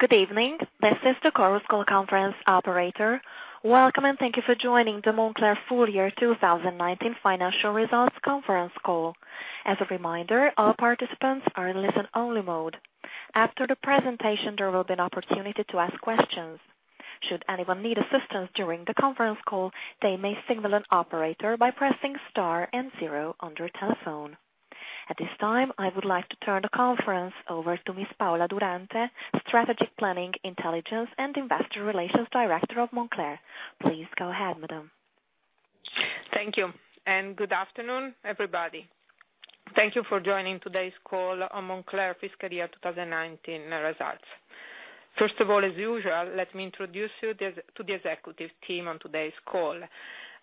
Good evening. This is the Chorus Call conference operator. Welcome, and thank you for joining the Moncler full year 2019 financial results conference call. As a reminder, all participants are in listen-only mode. After the presentation, there will be an opportunity to ask questions. Should anyone need assistance during the conference call, they may signal an operator by pressing star and zero on their telephone. At this time, I would like to turn the conference over to Ms. Paola Durante, Strategic Planning, Intelligence, and Investor Relations Director of Moncler. Please go ahead, madam. Thank you. Good afternoon, everybody. Thank you for joining today's call on Moncler fiscal year 2019 results. First of all, as usual, let me introduce you to the executive team on today's call.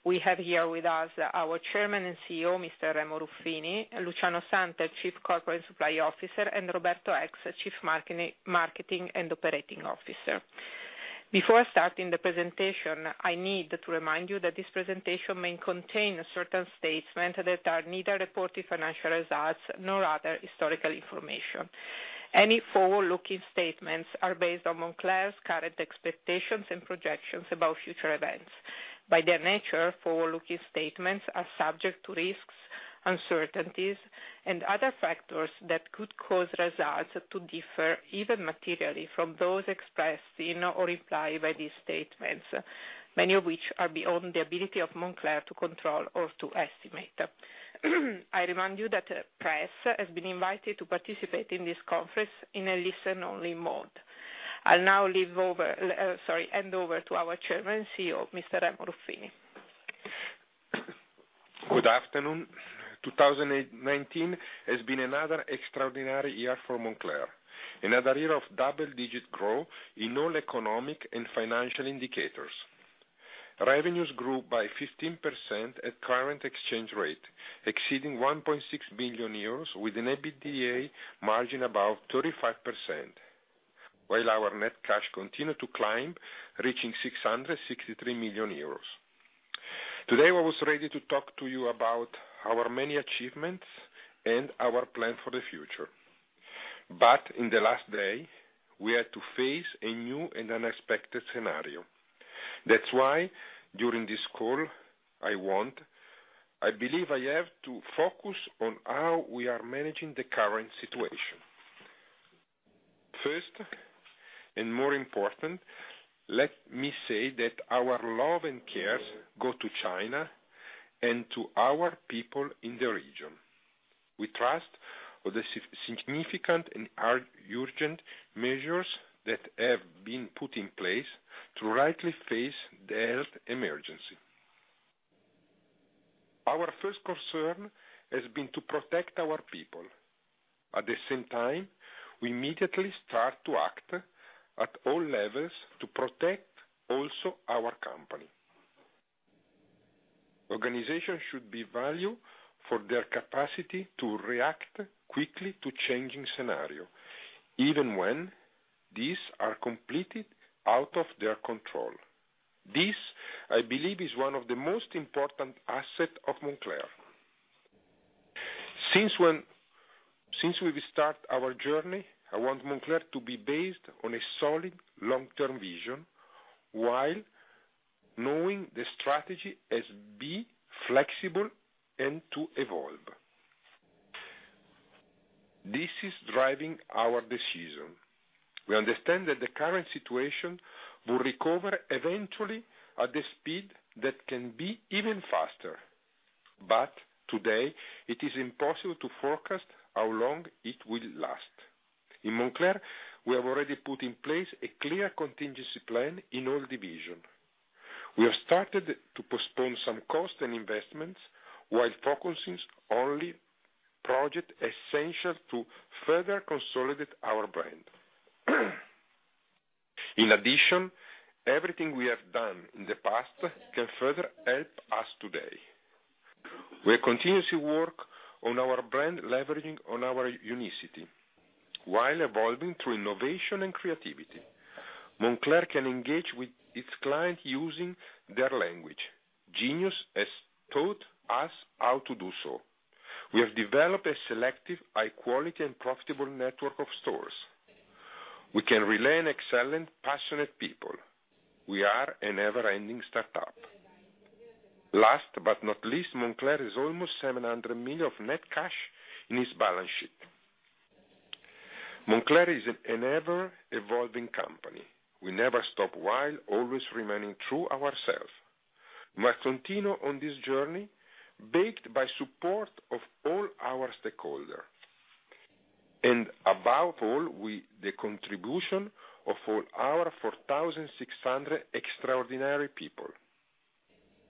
We have here with us our Chairman and CEO, Mr. Remo Ruffini, Luciano Santel, Chief Corporate and Supply Officer, and Roberto Eggs, Chief Marketing and Operating Officer. Before starting the presentation, I need to remind you that this presentation may contain certain statements that are neither reported financial results nor other historical information. Any forward-looking statements are based on Moncler's current expectations and projections about future events. By their nature, forward-looking statements are subject to risks, uncertainties, and other factors that could cause results to differ, even materially, from those expressed in or implied by these statements, many of which are beyond the ability of Moncler to control or to estimate. I remind you that the press has been invited to participate in this conference in a listen-only mode. I'll now hand over to our Chairman and CEO, Mr. Remo Ruffini. Good afternoon. 2019 has been another extraordinary year for Moncler. Another year of double-digit growth in all economic and financial indicators. Revenues grew by 15% at current exchange rate, exceeding 1.6 billion euros, with an EBITDA margin above 35%. While our net cash continued to climb, reaching 663 million euros. Today, I was ready to talk to you about our many achievements and our plan for the future. In the last day, we had to face a new and unexpected scenario. That's why, during this call, I believe I have to focus on how we are managing the current situation. First, and more important, let me say that our love and cares go to China and to our people in the region. We trust the significant and urgent measures that have been put in place to rightly face the health emergency. Our first concern has been to protect our people. At the same time, we immediately start to act at all levels to protect also our company. Organizations should be valued for their capacity to react quickly to changing scenarios, even when these are completely out of their control. This, I believe, is one of the most important assets of Moncler. Since we've started our journey, I want Moncler to be based on a solid long-term vision while knowing the strategy has to be flexible and to evolve. This is driving our decision. We understand that the current situation will recover eventually at the speed that can be even faster. Today, it is impossible to forecast how long it will last. In Moncler, we have already put in place a clear contingency plan in all divisions. We have started to postpone some costs and investments while focusing only project essential to further consolidate our brand. In addition, everything we have done in the past can further help us today. We continuously work on our brand, leveraging on our unicity, while evolving through innovation and creativity. Moncler can engage with its client using their language. Genius has taught us how to do so. We have developed a selective, high-quality, and profitable network of stores. We can rely on excellent, passionate people. We are a never-ending startup. Last but not least, Moncler has almost 700 million of net cash in its balance sheet. Moncler is an ever-evolving company. We never stop while always remaining true to ourselves. We must continue on this journey backed by support of all our stakeholders. Above all, with the contribution of all our 4,600 extraordinary people.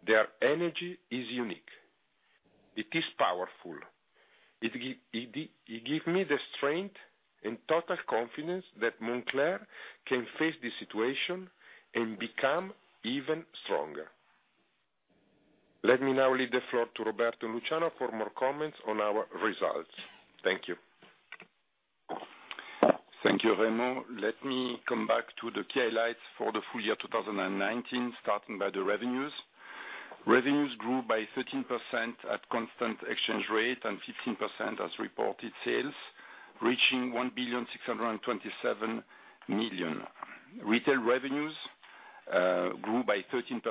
Their energy is unique. It is powerful. It gives me the strength and total confidence that Moncler can face the situation and become even stronger. Let me now leave the floor to Roberto and Luciano for more comments on our results. Thank you. Thank you, Remo. Let me come back to the key highlights for the full year 2019, starting by the revenues. Revenues grew by 13% at constant exchange rate and 15% as reported sales, reaching 1,627 million. Retail revenues grew by 13%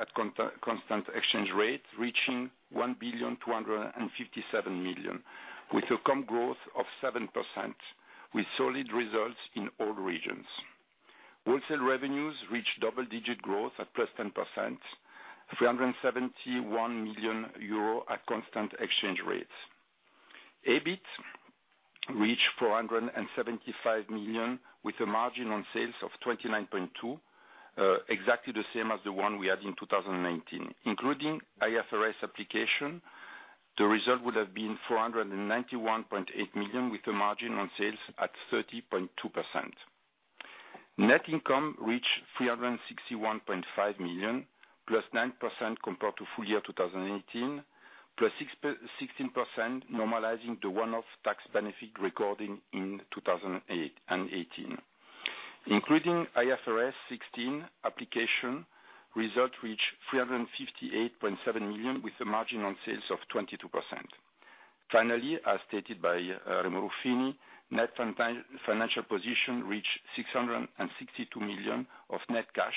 at constant exchange rate, reaching 1,257 million, with a comp growth of 7%, with solid results in all regions. Wholesale revenues reached double-digit growth at +10%, 371 million euro at constant exchange rates. EBIT reached 475 million, with a margin on sales of 29.2%, exactly the same as the one we had in 2019. Including IFRS application, the result would have been 491.8 million with a margin on sales at 30.2%. Net income reached 361.5 million, +9% compared to full year 2018, +16% normalizing the one-off tax benefit recording in 2018. Including IFRS 16 application, result reached 358.7 million with a margin on sales of 22%. Finally, as stated by Remo Ruffini, net financial position reached 662 million of net cash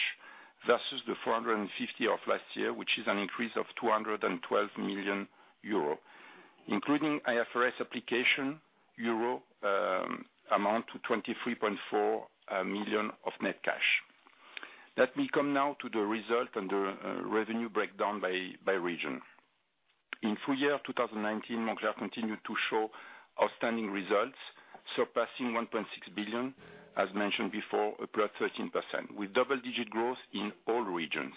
versus the 450 of last year, which is an increase of 212 million euro. Including IFRS application, EUR amount to 23.4 million of net cash. Let me come now to the result and the revenue breakdown by region. In full year 2019, Moncler continued to show outstanding results, surpassing 1.6 billion, as mentioned before, up +13%, with double-digit growth in all regions.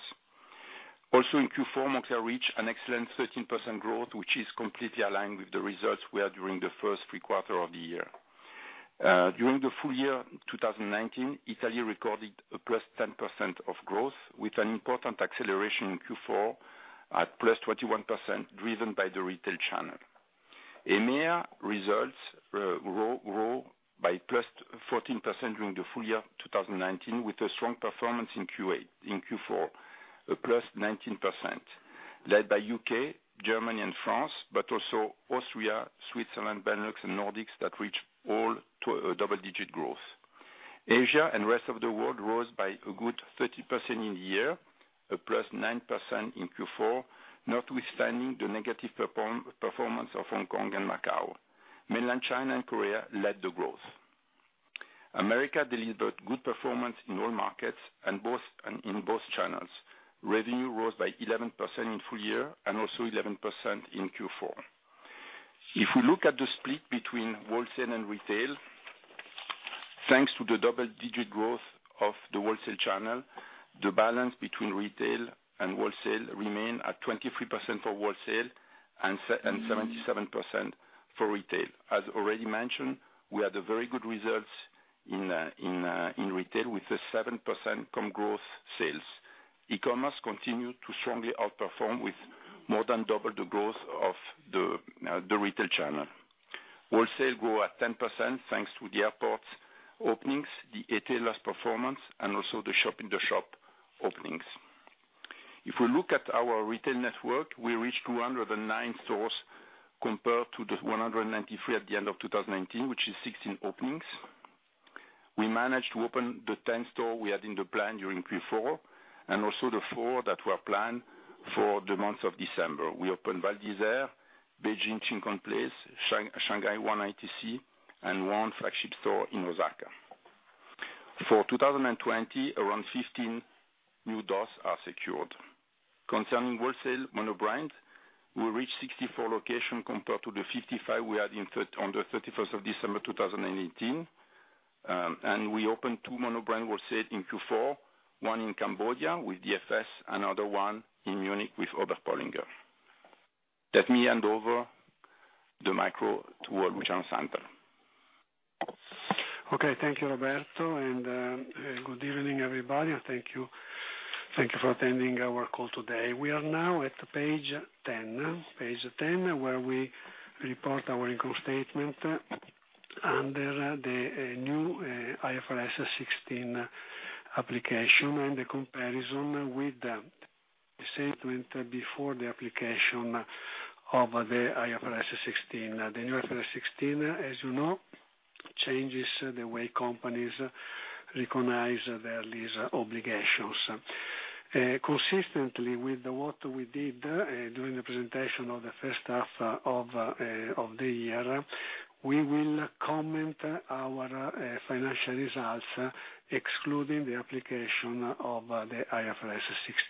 Also in Q4, Moncler reached an excellent 13% growth, which is completely aligned with the results we had during the first three quarter of the year. During the full year 2019, Italy recorded a +10% of growth, with an important acceleration in Q4 at +21%, driven by the retail channel. EMEA results grew by +14% during the full year 2019, with a strong performance in Q4, a +19%, led by U.K., Germany and France, also Austria, Switzerland, Benelux and Nordics that reach all double-digit growth. Asia and rest of the world rose by a good 30% in the year, a +9% in Q4, notwithstanding the negative performance of Hong Kong and Macau. Mainland China and Korea led the growth. America delivered good performance in all markets and in both channels. Revenue rose by 11% in full year and also 11% in Q4. We look at the split between wholesale and retail, thanks to the double-digit growth of the wholesale channel, the balance between retail and wholesale remain at 23% for wholesale and 77% for retail. As already mentioned, we had a very good results in retail with a 7% comp growth sales. E-commerce continued to strongly outperform with more than double the growth of the retail channel. Wholesale grew at 10% thanks to the airports openings, the e-tailers performance, and also the shop-in-shop openings. If we look at our retail network, we reached 209 stores compared to the 193 at the end of 2019, which is 16 openings. We managed to open the 10 store we had in the plan during Q4, and also the four that were planned for the month of December. We opened Val d'Isère, Beijing Shin Kong Place, Shanghai One ITC, and one flagship store in Osaka. For 2020, around 15 new doors are secured. Concerning wholesale mono-brand, we reached 64 location compared to the 55 we had on the 31st of December 2018, and we opened two mono-brand wholesale in Q4, one in Cambodia with DFS, another one in Munich with Oberpollinger. Let me hand over the micro to Luciano Santel. Okay. Thank you, Roberto. Good evening, everybody. Thank you for attending our call today. We are now at page 10, where we report our income statement under the new IFRS 16 application and the comparison with the statement before the application of the IFRS 16. The new IFRS 16, as you know, changes the way companies recognize their lease obligations. Consistently with what we did during the presentation of the first half of the year, we will comment our financial results, excluding the application of the IFRS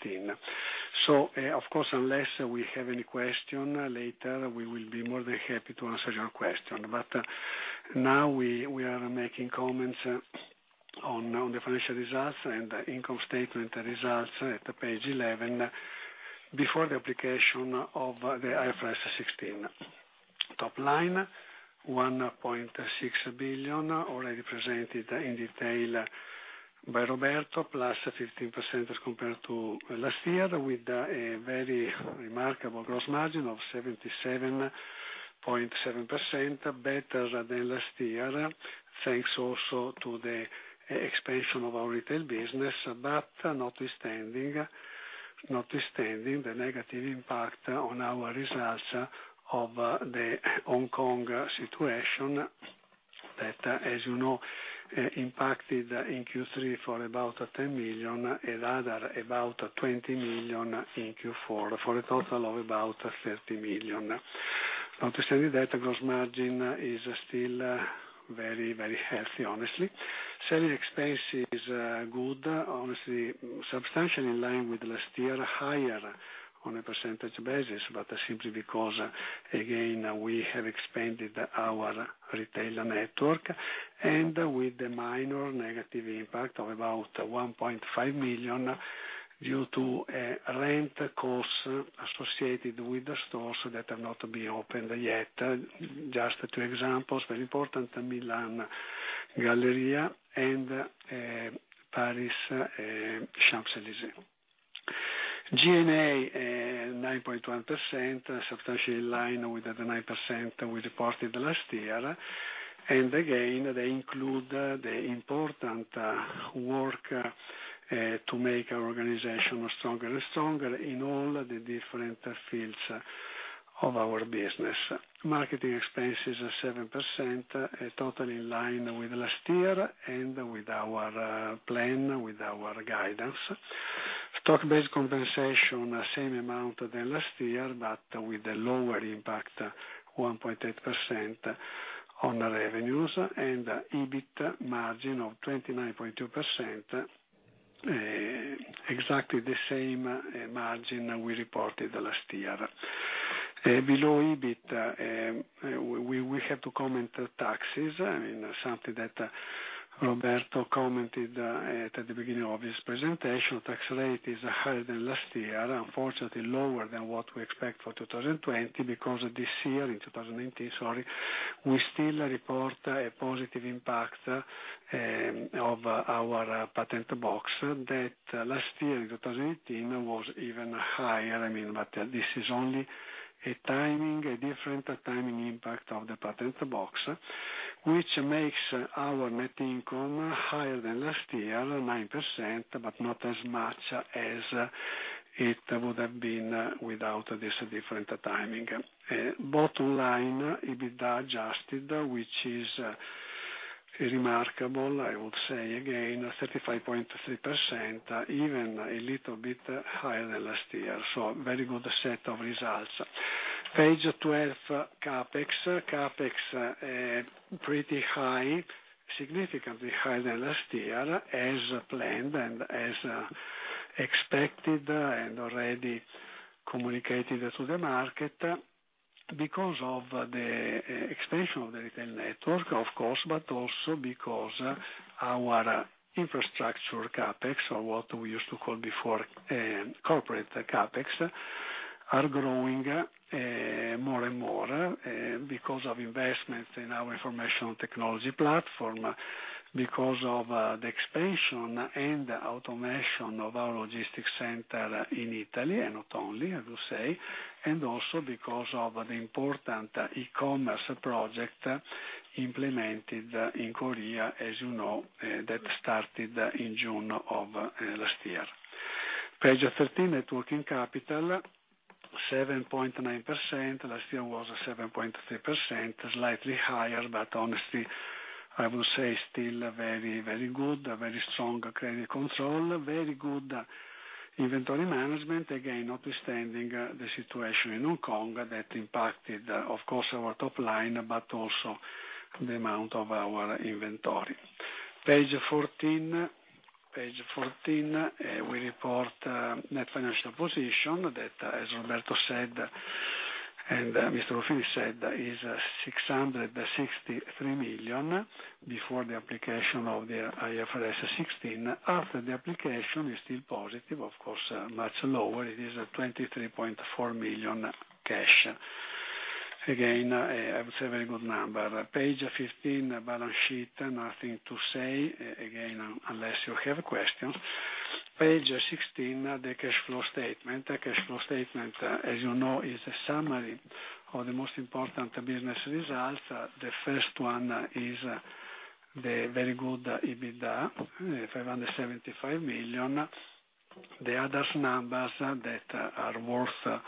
16. Of course, unless we have any question later, we will be more than happy to answer your question. Now we are making comments on the financial results and income statement results at page 11 before the application of the IFRS 16. Top line, 1.6 billion already presented in detail by Roberto, +15% as compared to last year, with a very remarkable gross margin of 77.7%, better than last year, thanks also to the expansion of our retail business. Notwithstanding the negative impact on our results of the Hong Kong situation that, as you know, impacted in Q3 for about 10 million and other about 20 million in Q4, for a total of about 30 million. Not to say that gross margin is still very healthy, honestly. Selling expense is good, obviously substantially in line with last year, higher on a percentage basis, but simply because, again, we have expanded our retail network and with the minor negative impact of about 1.5 million due to rent costs associated with the stores that have not been opened yet. Just two examples, very important, the Milan Galleria and Paris, Champs-Élysées. G&A, 9.1%, substantially in line with the 9% we reported last year. Again, they include the important work to make our organization stronger and stronger in all the different fields of our business. Marketing expenses are 7%, totally in line with last year and with our plan, with our guidance. Stock-based compensation, same amount than last year, but with a lower impact, 1.8% on the revenues and EBIT margin of 29.2%, exactly the same margin we reported last year. Below EBIT, we have to comment on taxes, something that Roberto commented at the beginning of his presentation. Tax rate is higher than last year, unfortunately lower than what we expect for 2020, because this year, in 2019, sorry, we still report a positive impact of our patent box that last year in 2018 was even higher. This is only a different timing impact of the patent box, which makes our net income higher than last year, 9%, but not as much as it would have been without this different timing. Bottom line, EBITDA adjusted, which is remarkable, I would say again, 35.3%, even a little bit higher than last year. A very good set of results. Page 12, CapEx. CapEx, pretty high, significantly higher than last year, as planned and as expected and already communicated to the market because of the expansion of the retail network, of course, but also because our infrastructure CapEx or what we used to call before corporate CapEx, are growing more and more because of investments in our information technology platform, because of the expansion and automation of our logistics center in Italy, and not only, I will say, and also because of the important e-commerce project implemented in Korea, as you know, that started in June of last year. Page 13, working capital, 7.9%. Last year was 7.3%, slightly higher, but honestly, I would say still very good, very strong credit control, very good inventory management, again, notwithstanding the situation in Hong Kong that impacted, of course, our top line, but also the amount of our inventory. Page 14. We report net financial position that, as Roberto said, and Mr. Ruffini said, is 663 million before the application of the IFRS 16. After the application, it's still positive, of course, much lower. It is 23.4 million cash. Again, I would say a very good number. Page 15, balance sheet, nothing to say again, unless you have questions. Page 16, the cash flow statement. The cash flow statement, as you know, is a summary of the most important business results. The first one is the very good EBITDA, 575 million. The other numbers that are worth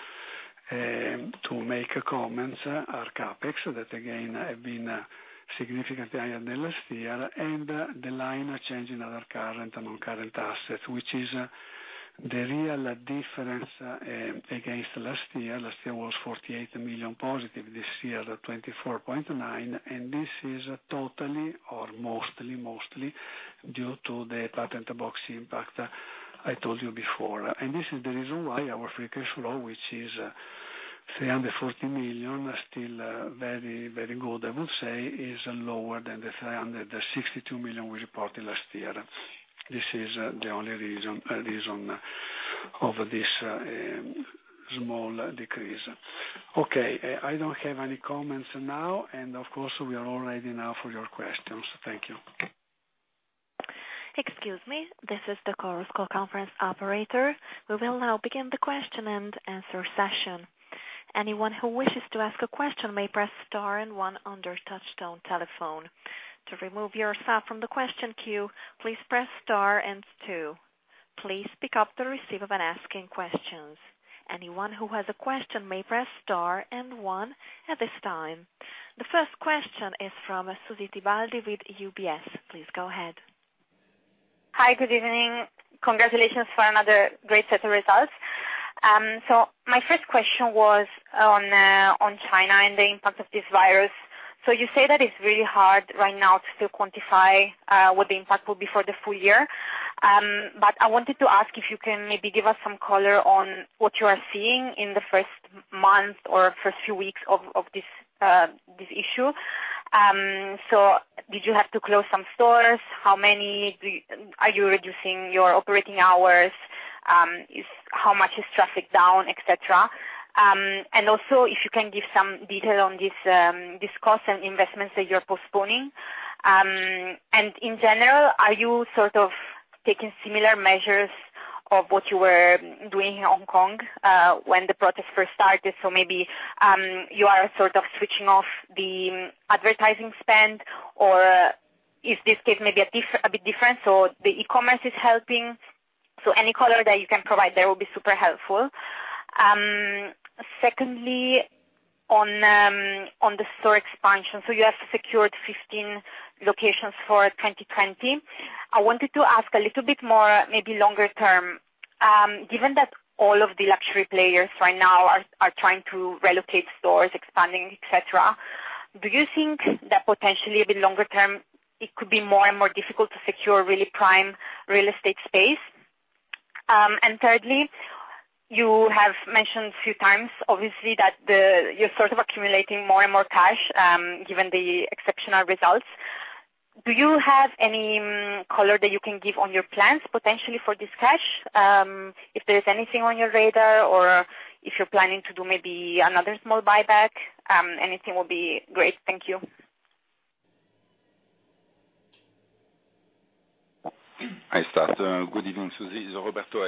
to make comments are CapEx, that again have been significantly higher than last year, and the line change in our current and non-current assets, which is the real difference against last year. Last year was 48 million positive, this year, 24.9. This is totally or mostly due to the patent box impact I told you before. This is the reason why our free cash flow, which is 340 million, still very good, I would say, is lower than the 362 million we reported last year. This is the only reason. Of this small decrease. Okay, I don't have any comments now, and of course, we are all ready now for your questions. Thank you. Excuse me. This is the conference call conference operator. We will now begin the question-and-answer session. Anyone who wishes to ask a question may press star and one on their touchtone telephone. To remove yourself from the question queue, please press star and two. Please pick up the receiver when asking questions. Anyone who has a question may press star and one at this time. The first question is from Susy Tibaldi with UBS. Please go ahead. Hi. Good evening. Congratulations for another great set of results. My first question was on China and the impact of this coronavirus. You say that it's really hard right now to quantify what the impact will be for the full year. I wanted to ask if you can maybe give us some color on what you are seeing in the first month or first few weeks of this issue. Did you have to close some stores? How many? Are you reducing your operating hours? How much is traffic down, et cetera? If you can give some detail on this cost and investments that you're postponing. In general, are you sort of taking similar measures of what you were doing in Hong Kong when the protest first started? Maybe you are sort of switching off the advertising spend, or is this case maybe a bit different, so the e-commerce is helping? Any color that you can provide there will be super helpful. Secondly, on the store expansion. You have secured 15 locations for 2020. I wanted to ask a little bit more, maybe longer term. Given that all of the luxury players right now are trying to relocate stores, expanding, et cetera, do you think that potentially a bit longer term, it could be more and more difficult to secure really prime real estate space? Thirdly, you have mentioned a few times, obviously, that you're sort of accumulating more and more cash, given the exceptional results. Do you have any color that you can give on your plans potentially for this cash? If there's anything on your radar or if you're planning to do maybe another small buyback. Anything will be great. Thank you. Hi, start. Good evening, Susy. This is Roberto.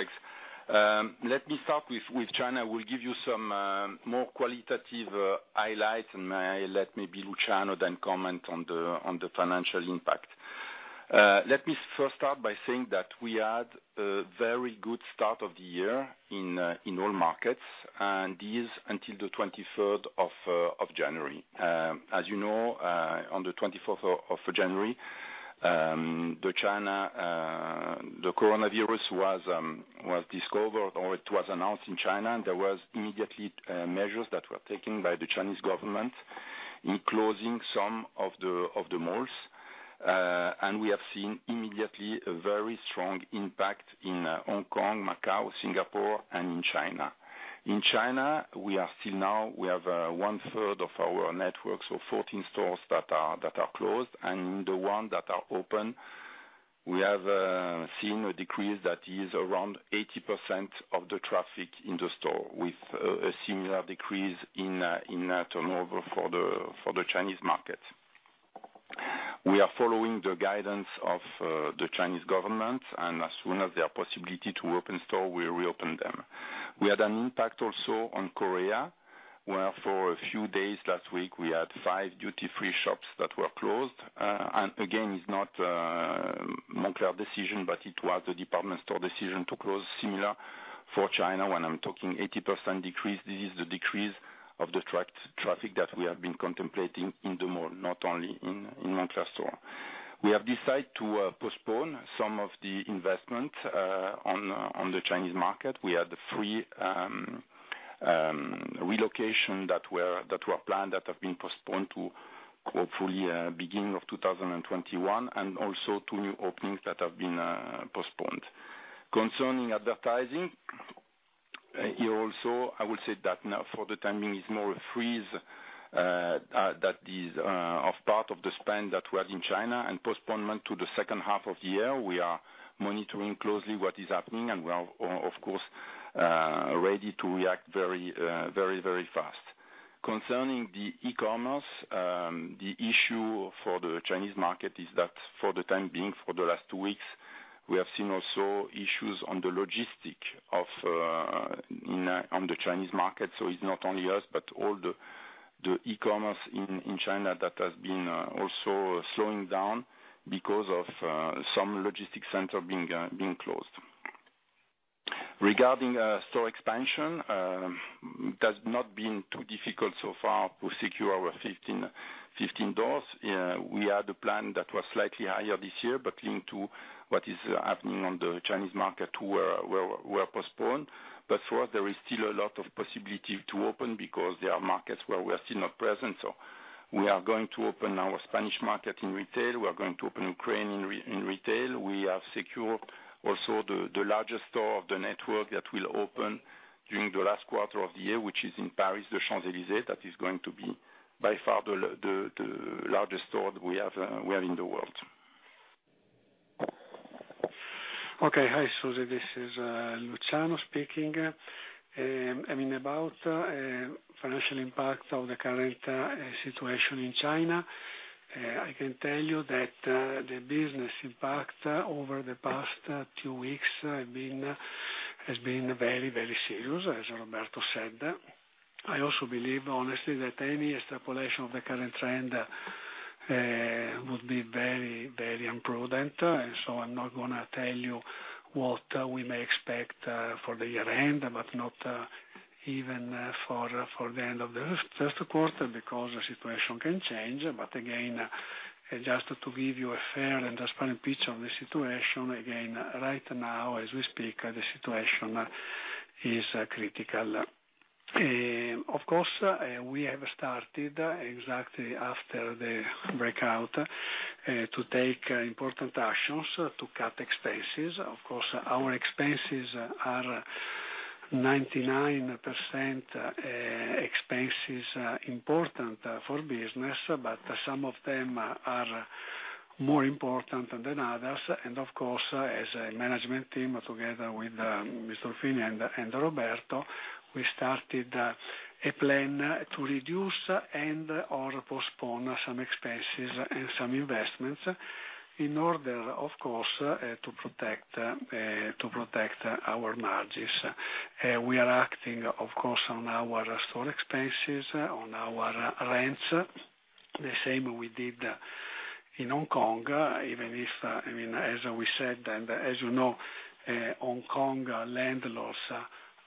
Let me start with China. We'll give you some more qualitative highlights, and let maybe Luciano then comment on the financial impact. Let me first start by saying that we had a very good start of the year in all markets, and this until the 23rd of January. As you know, on the 24th of January, the coronavirus was discovered, or it was announced in China, and there was immediately measures that were taken by the Chinese government in closing some of the malls. We have seen immediately a very strong impact in Hong Kong, Macau, Singapore, and in China. In China, we are still now, we have one-third of our network, so 14 stores that are closed, and the one that are open, we have seen a decrease that is around 80% of the traffic in the store, with a similar decrease in net turnover for the Chinese market. As soon as there are possibility to open store, we'll reopen them. We had an impact also on Korea, where for a few days last week, we had 5 duty-free shops that were closed. Again, it's not Moncler decision, but it was the department store decision to close similar for China. When I'm talking 80% decrease, this is the decrease of the traffic that we have been contemplating in the mall, not only in Moncler store. We have decided to postpone some of the investment on the Chinese market. We had three relocation that were planned that have been postponed to hopefully beginning of 2021, and also two new openings that have been postponed. Concerning advertising, here also, I would say that now for the timing is more a freeze that is of part of the spend that we had in China and postponement to the second half of the year. We are monitoring closely what is happening, and we are, of course, ready to react very, very fast. Concerning the e-commerce, the issue for the Chinese market is that for the time being, for the last two weeks, we have seen also issues on the logistic on the Chinese market. It's not only us, but all the e-commerce in China that has been also slowing down because of some logistic center being closed. Regarding store expansion, it has not been too difficult so far to secure our 15 doors. We had a plan that was slightly higher this year, but linked to what is happening on the Chinese market, we are postponed. For us, there is still a lot of possibility to open because there are markets where we are still not present. We are going to open our Spanish market in retail. We are going to open Ukraine in retail. We have secured also the largest store of the network that will open during the last quarter of the year, which is in Paris, the Champs-Élysées, that is going to be by far the largest store that we have anywhere in the world. Okay. Hi, Susy, this is Luciano speaking. About financial impact of the current situation in China, I can tell you that the business impact over the past two weeks has been very serious, as Roberto said. I also believe, honestly, that any extrapolation of the current trend would be very imprudent. I'm not going to tell you what we may expect for the year end, but not even for the end of this Q1, because the situation can change. Again, just to give you a fair and transparent picture of the situation, again, right now as we speak, the situation is critical. Of course, we have started exactly after the breakout to take important actions to cut expenses. Of course, our expenses are 99% expenses important for business, some of them are more important than others. Of course, as a management team, together with Mr. Ruffini and Roberto, we started a plan to reduce and/or postpone some expenses and some investments in order, of course, to protect our margins. We are acting, of course, on our store expenses, on our rents. The same we did in Hong Kong. If, as we said, and as you know, Hong Kong landlords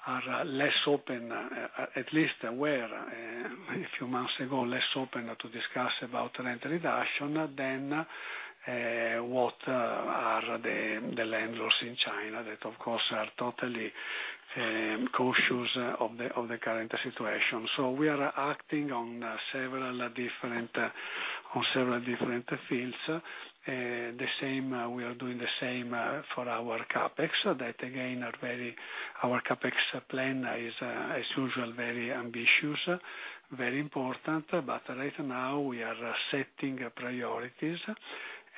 are less open, at least were a few months ago, less open to discuss about rent reduction than what are the landlords in China that, of course, are totally cautious of the current situation. We are acting on several different fields. We are doing the same for our CapEx. Our CapEx plan is, as usual, very ambitious, very important. Right now we are setting priorities,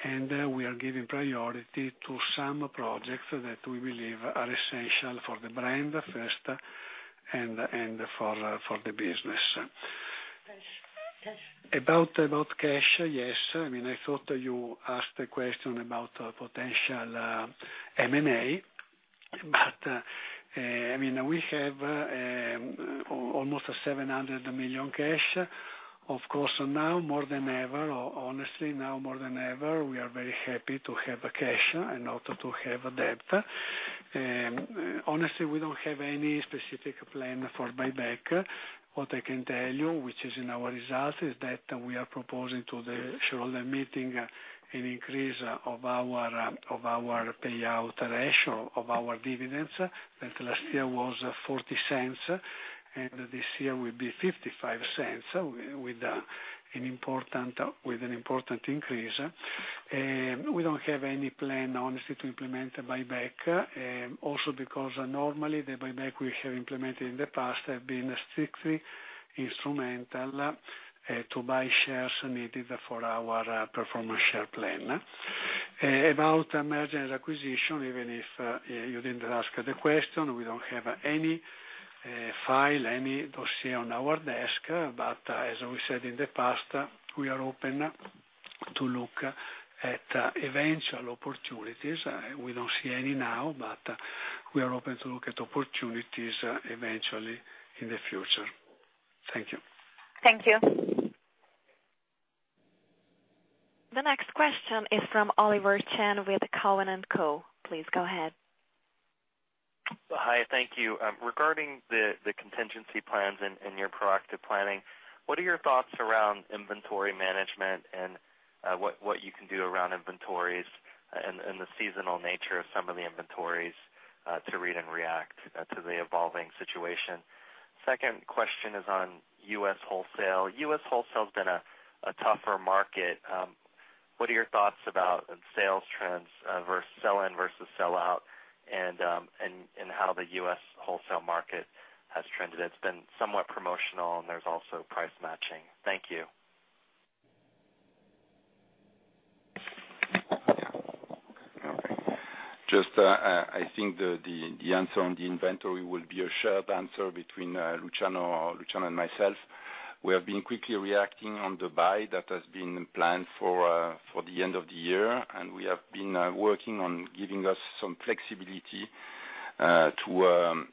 and we are giving priority to some projects that we believe are essential for the brand first and for the business. Cash. About cash. Yes. I thought you asked a question about potential M&A. We have almost 700 million cash. Of course, now more than ever, or honestly, now more than ever, we are very happy to have cash and not to have debt. Honestly, we don't have any specific plan for buyback. What I can tell you, which is in our results, is that we are proposing to the shareholder meeting an increase of our payout ratio of our dividends. That last year was 0.40, and this year will be 0.55, with an important increase. We don't have any plan, honestly, to implement a buyback. Also because normally the buyback we have implemented in the past have been strictly instrumental to buy shares needed for our performance share plan. About M&A, even if you didn't ask the question, we don't have any file, any dossier on our desk. As we said in the past, we are open to look at eventual opportunities. We don't see any now, but we are open to look at opportunities eventually in the future. Thank you. Thank you. The next question is from Oliver Chen with Cowen and Company. Please go ahead. Hi, thank you. Regarding the contingency plans and your proactive planning, what are your thoughts around inventory management and what you can do around inventories and the seasonal nature of some of the inventories to read and react to the evolving situation? Second question is on U.S. wholesale. U.S. wholesale has been a tougher market. What are your thoughts about sales trends versus sell-in versus sell-out, and how the U.S. wholesale market has trended? It's been somewhat promotional, and there's also price matching. Thank you. Okay. Just, I think the answer on the inventory will be a shared answer between Luciano and myself. We have been quickly reacting on the buy that has been planned for the end of the year, we have been working on giving us some flexibility to,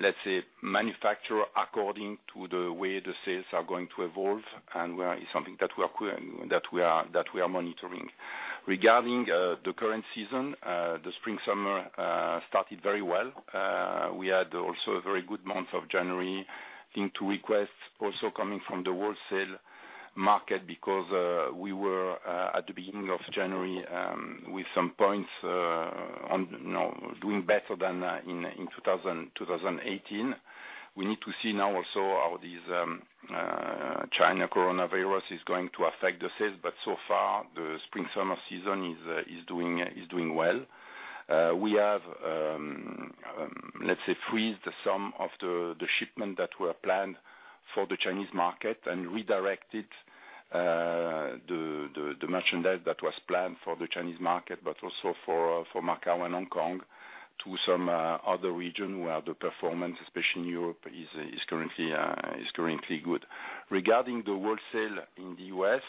let's say, manufacture according to the way the sales are going to evolve. It's something that we are monitoring. Regarding the current season, the spring/summer started very well. We had also a very good month of January, I think, to request also coming from the wholesale market because we were at the beginning of January with some points doing better than in 2018. We need to see now also how this China coronavirus is going to affect the sales, so far, the spring-summer season is doing well. We have, let's say, freezed some of the shipment that were planned for the Chinese market and redirected the merchandise that was planned for the Chinese market, but also for Macau and Hong Kong to some other region where the performance, especially in Europe, is currently good. Regarding the wholesale in the U.S.,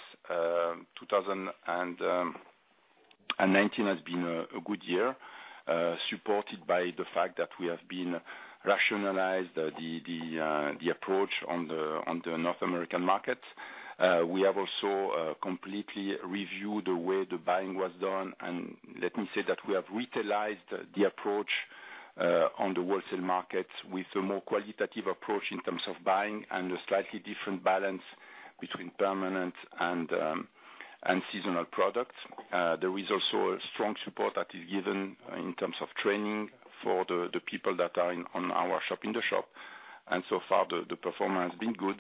2019 has been a good year, supported by the fact that we have been rationalized the approach on the North American market. We have also completely reviewed the way the buying was done, and let me say that we have retailized the approach on the wholesale market with a more qualitative approach in terms of buying and a slightly different balance between permanent and seasonal products. There is also a strong support that is given in terms of training for the people that are on our shop-in-shop, so far the performance has been good.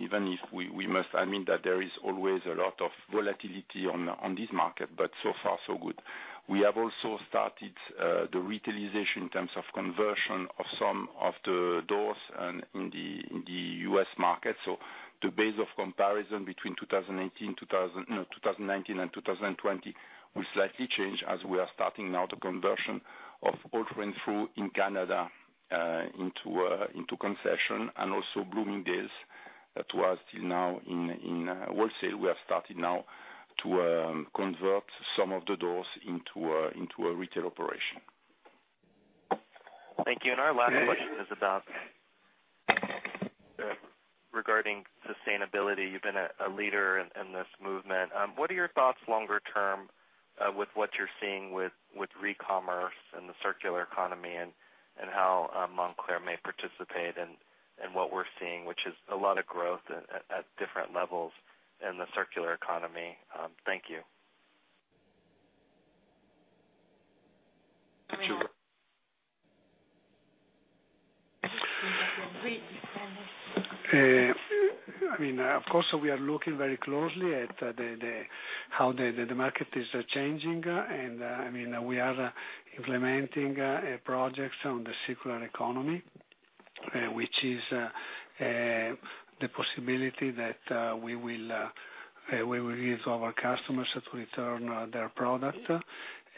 Even if we must admit that there is always a lot of volatility on this market, so far so good. We have also started the retailization in terms of conversion of some of the doors in the U.S. market. The base of comparison between 2019 and 2020 will slightly change as we are starting now the conversion of all Holt Renfrew in Canada into concession and also Bloomingdale's that was till now in wholesale. We have started now to convert some of the doors into a retail operation. Thank you. Our last question is regarding sustainability. You've been a leader in this movement. What are your thoughts longer term, with what you're seeing with re-commerce and the circular economy and how Moncler may participate in what we're seeing, which is a lot of growth at different levels in the circular economy? Thank you. I mean, of course, we are looking very closely at how the market is changing. We are implementing projects on the circular economy, which is the possibility that we will give our customers to return their product.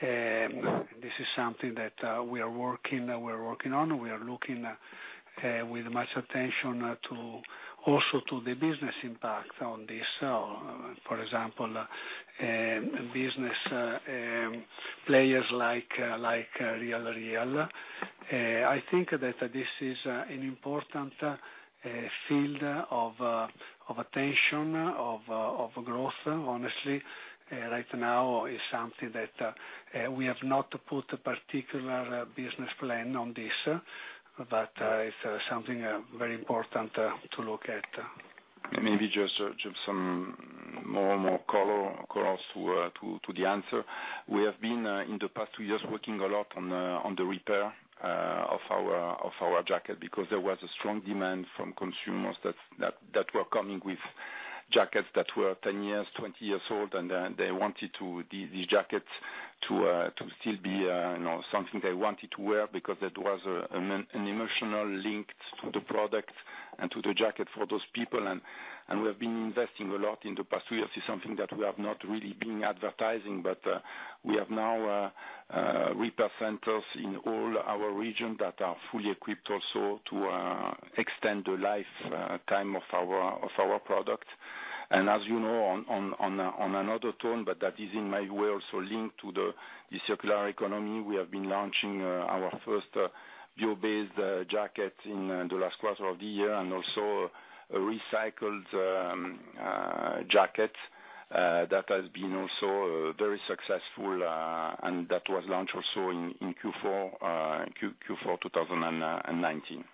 This is something that we're working on. We are looking with much attention also to the business impact on this. For example, business players like The RealReal. I think that this is an important field of attention, of growth. Honestly, right now is something that we have not put a particular business plan on this, but it's something very important to look at. Maybe just some more color to the answer. We have been, in the past two years, working a lot on the repair of our jacket because there was a strong demand from consumers that were coming with jackets that were 10 years, 20 years old, and they wanted these jackets to still be something they wanted to wear because it was an emotional link to the product and to the jacket for those people. We have been investing a lot in the past few years. It's something that we have not really been advertising, but we have now repair centers in all our region that are fully equipped also to extend the lifetime of our product. As you know, on another tone, but that is in my way also linked to the circular economy, we have been launching our first bio-based jacket in the last quarter of the year and also a recycled jacket that has been also very successful, and that was launched also in Q4 2019.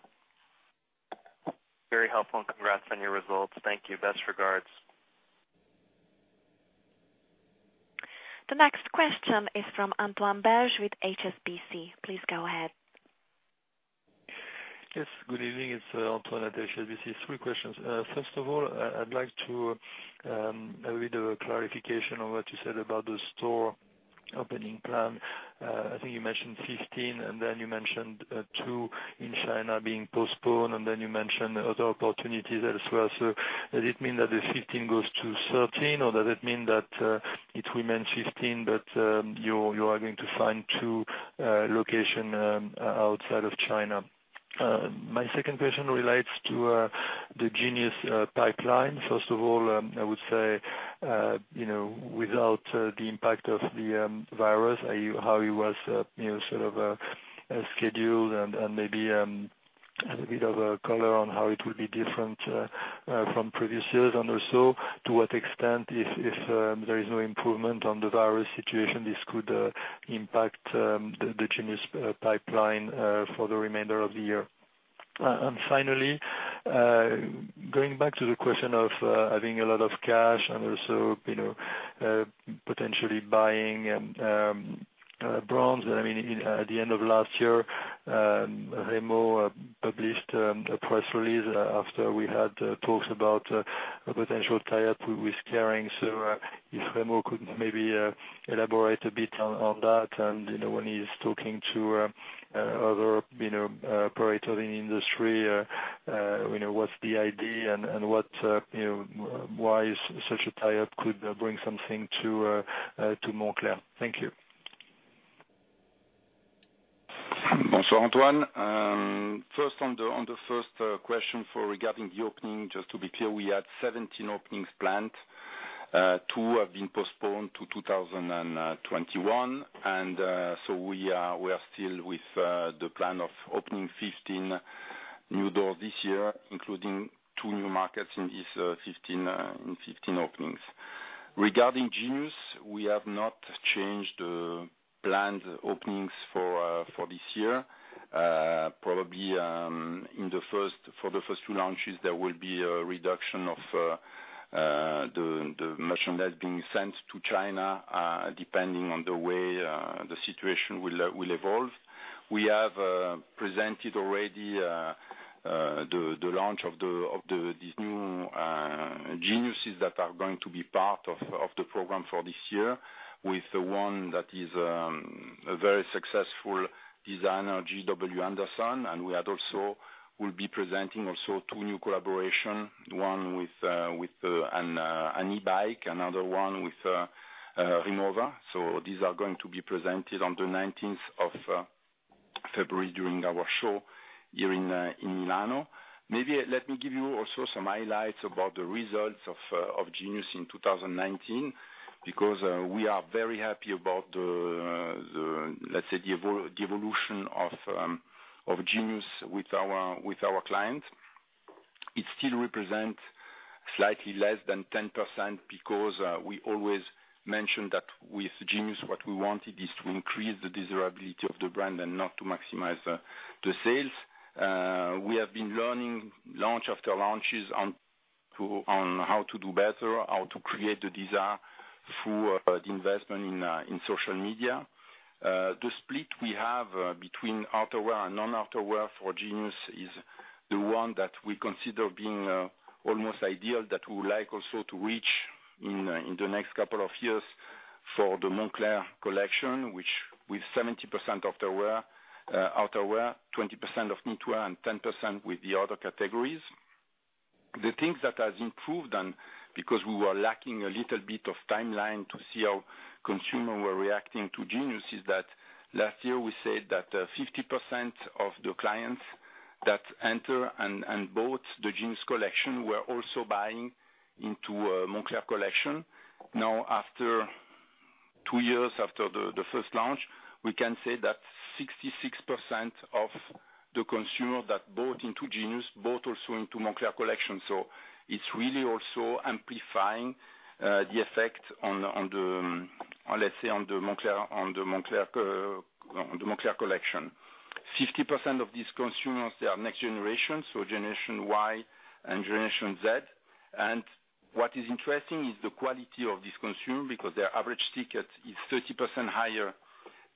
Very helpful, and congrats on your results. Thank you. Best regards. The next question is from Antoine Belge with HSBC. Please go ahead. Yes, good evening. It's Antoine at HSBC. Three questions. First of all, I'd like to read a clarification on what you said about the store opening plan. I think you mentioned 15, and then you mentioned two in China being postponed, and then you mentioned other opportunities as well. Does it mean that the 15 goes to 13, or does it mean that it remains 15, but you are going to find two locations outside of China? My second question relates to the Genius pipeline. First of all, I would say, without the impact of the virus, how it was sort of scheduled and maybe a bit of a color on how it will be different from previous years and also to what extent, if there is no improvement on the virus situation, this could impact the Genius pipeline for the remainder of the year. Finally, going back to the question of having a lot of cash and also potentially buying brands, at the end of last year, Remo published a press release after we had talks about a potential tie-up with Kering. If Remo could maybe elaborate a bit on that and, when he's talking to other operators in the industry, what's the idea and why such a tie-up could bring something to Moncler? Thank you. Antoine, on the first question regarding the opening, just to be clear, we had 17 openings planned. Two have been postponed to 2021. We are still with the plan of opening 15 new doors this year, including two new markets in these 15 openings. Regarding Genius, we have not changed the planned openings for this year. Probably, for the first two launches, there will be a reduction of the merchandise being sent to China, depending on the way the situation will evolve. We have presented already the launch of these new Geniuses that are going to be part of the program for this year with the one that is a very successful designer, JW Anderson, and we'll be presenting also two new collaboration, one with an e-bike, another one with Rimowa. These are going to be presented on the 19th of February during our show here in Milano. Maybe let me give you also some highlights about the results of Genius in 2019, because we are very happy about the evolution of Genius with our clients. It still represents slightly less than 10%, because we always mention that with Genius, what we wanted is to increase the desirability of the brand and not to maximize the sales. We have been learning launch after launch on how to do better, how to create the desire through the investment in social media. The split we have between outerwear and non-outerwear for Genius is the one that we consider being almost ideal, that we would like also to reach in the next couple of years for the Moncler collection, which, with 70% outerwear, 20% of knitwear, and 10% with the other categories. The thing that has improved, because we were lacking a little bit of timeline to see how consumers were reacting to Genius, is that last year we said that 50% of the clients that enter and bought the Genius collection were also buying into Moncler collection. Now, after two years after the first launch, we can say that 66% of the consumers that bought into Genius bought also into Moncler collection. It's really also amplifying the effect on, let's say, on the Moncler collection. 50% of these consumers, they are next generation, so Generation Y and Generation Z. What is interesting is the quality of this consumer, because their average ticket is 30% higher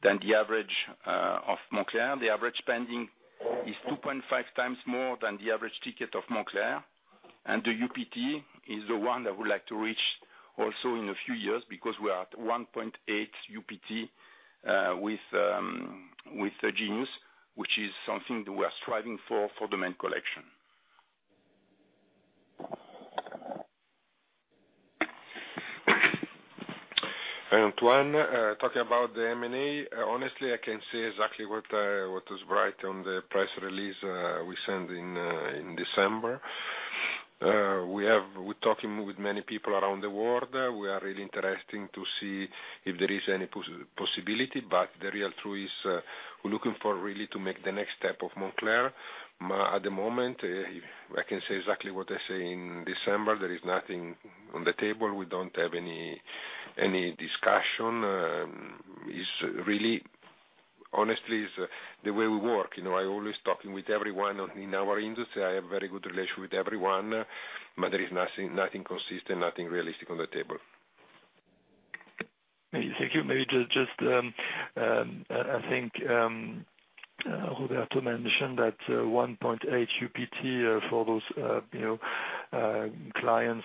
than the average of Moncler. The average spending is 2.5 times more than the average ticket of Moncler. The UPT is the one that we would like to reach also in a few years because we are at 1.8 UPT with Genius, which is something that we are striving for the main collection. Antoine, talking about the M&A, honestly, I can say exactly what is written on the press release we sent in December. We're talking with many people around the world. We are really interested to see if there is any possibility, but the real truth is, we're looking for really to make the next step of Moncler. At the moment, I can say exactly what I say in December. There is nothing on the table. We don't have any discussion. Honestly, it's the way we work. I'm always talking with everyone in our industry. I have very good relations with everyone, but there is nothing consistent, nothing realistic on the table. Thank you. Maybe just, I think Roberto mentioned that 1.8 UPT for those clients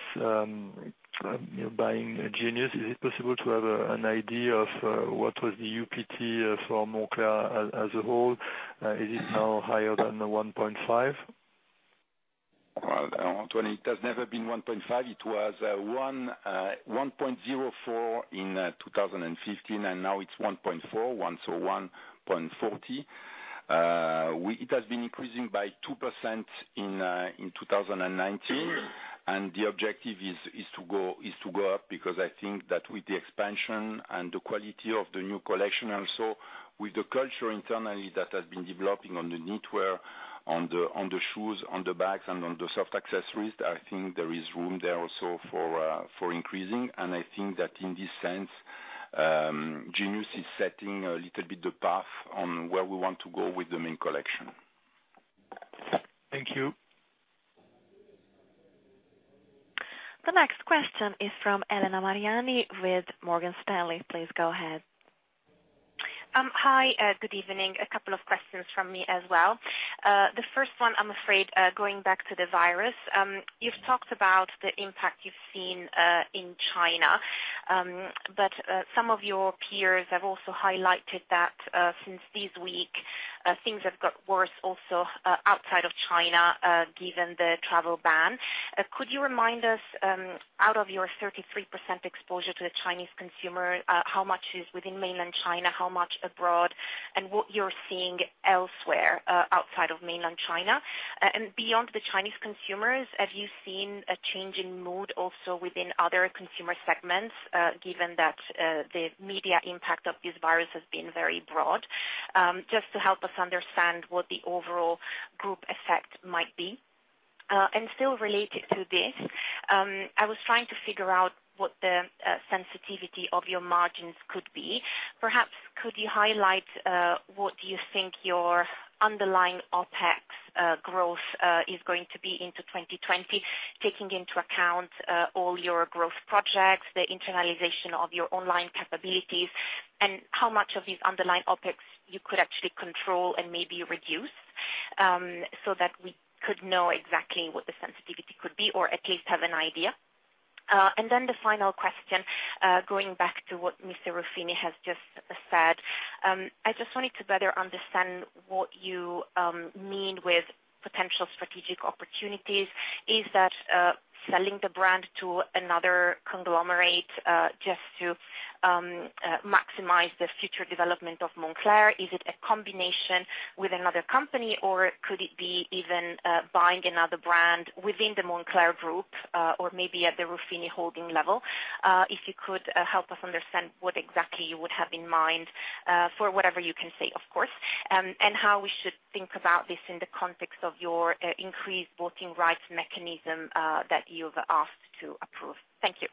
buying Genius. Is it possible to have an idea of what was the UPT for Moncler as a whole? Is it now higher than the 1.5? Well, Antoine, it has never been 1.5. It was 1.04 in 2015, and now it's 1.4, so 1.40. It has been increasing by 2% in 2019, and the objective is to go up because I think that with the expansion and the quality of the new collection, also with the culture internally that has been developing on the knitwear, on the shoes, on the bags, and on the soft accessories, I think there is room there also for increasing. I think that in this sense, Genius is setting a little bit the path on where we want to go with the main collection. Thank you. The next question is from Elena Mariani with Morgan Stanley. Please go ahead. Hi, good evening. A couple of questions from me as well. The first one, I'm afraid, going back to the virus. You've talked about the impact you've seen in China, but some of your peers have also highlighted that since this week, things have got worse also outside of China, given the travel ban. Could you remind us, out of your 33% exposure to the Chinese consumer, how much is within mainland China, how much abroad, and what you're seeing elsewhere outside of mainland China? Beyond the Chinese consumers, have you seen a change in mood also within other consumer segments, given that the media impact of this virus has been very broad? Just to help us understand what the overall group effect might be. Still related to this, I was trying to figure out what the sensitivity of your margins could be. Perhaps could you highlight what you think your underlying OpEx growth is going to be into 2020, taking into account all your growth projects, the internalization of your online capabilities, and how much of these underlying OpEx you could actually control and maybe reduce, so that we could know exactly what the sensitivity could be, or at least have an idea. The final question, going back to what Mr. Ruffini has just said. I just wanted to better understand what you mean with potential strategic opportunities. Is that selling the brand to another conglomerate, just to maximize the future development of Moncler? Is it a combination with another company, or could it be even buying another brand within the Moncler group? Or maybe at the Ruffini holding level? If you could help us understand what exactly you would have in mind, for whatever you can say, of course, and how we should think about this in the context of your increased voting rights mechanism that you've asked to approve. Thank you.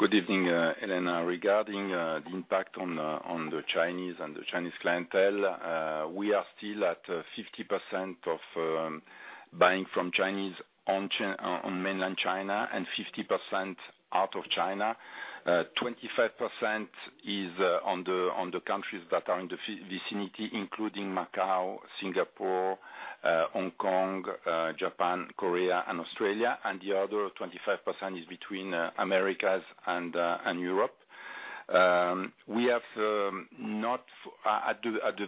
Good evening, Elena. Regarding the impact on the Chinese and the Chinese clientele, we are still at 50% of buying from Chinese on mainland China and 50% out of China. 25% is on the countries that are in the vicinity, including Macau, Singapore, Hong Kong, Japan, Korea, and Australia. The other 25% is between Americas and Europe. At the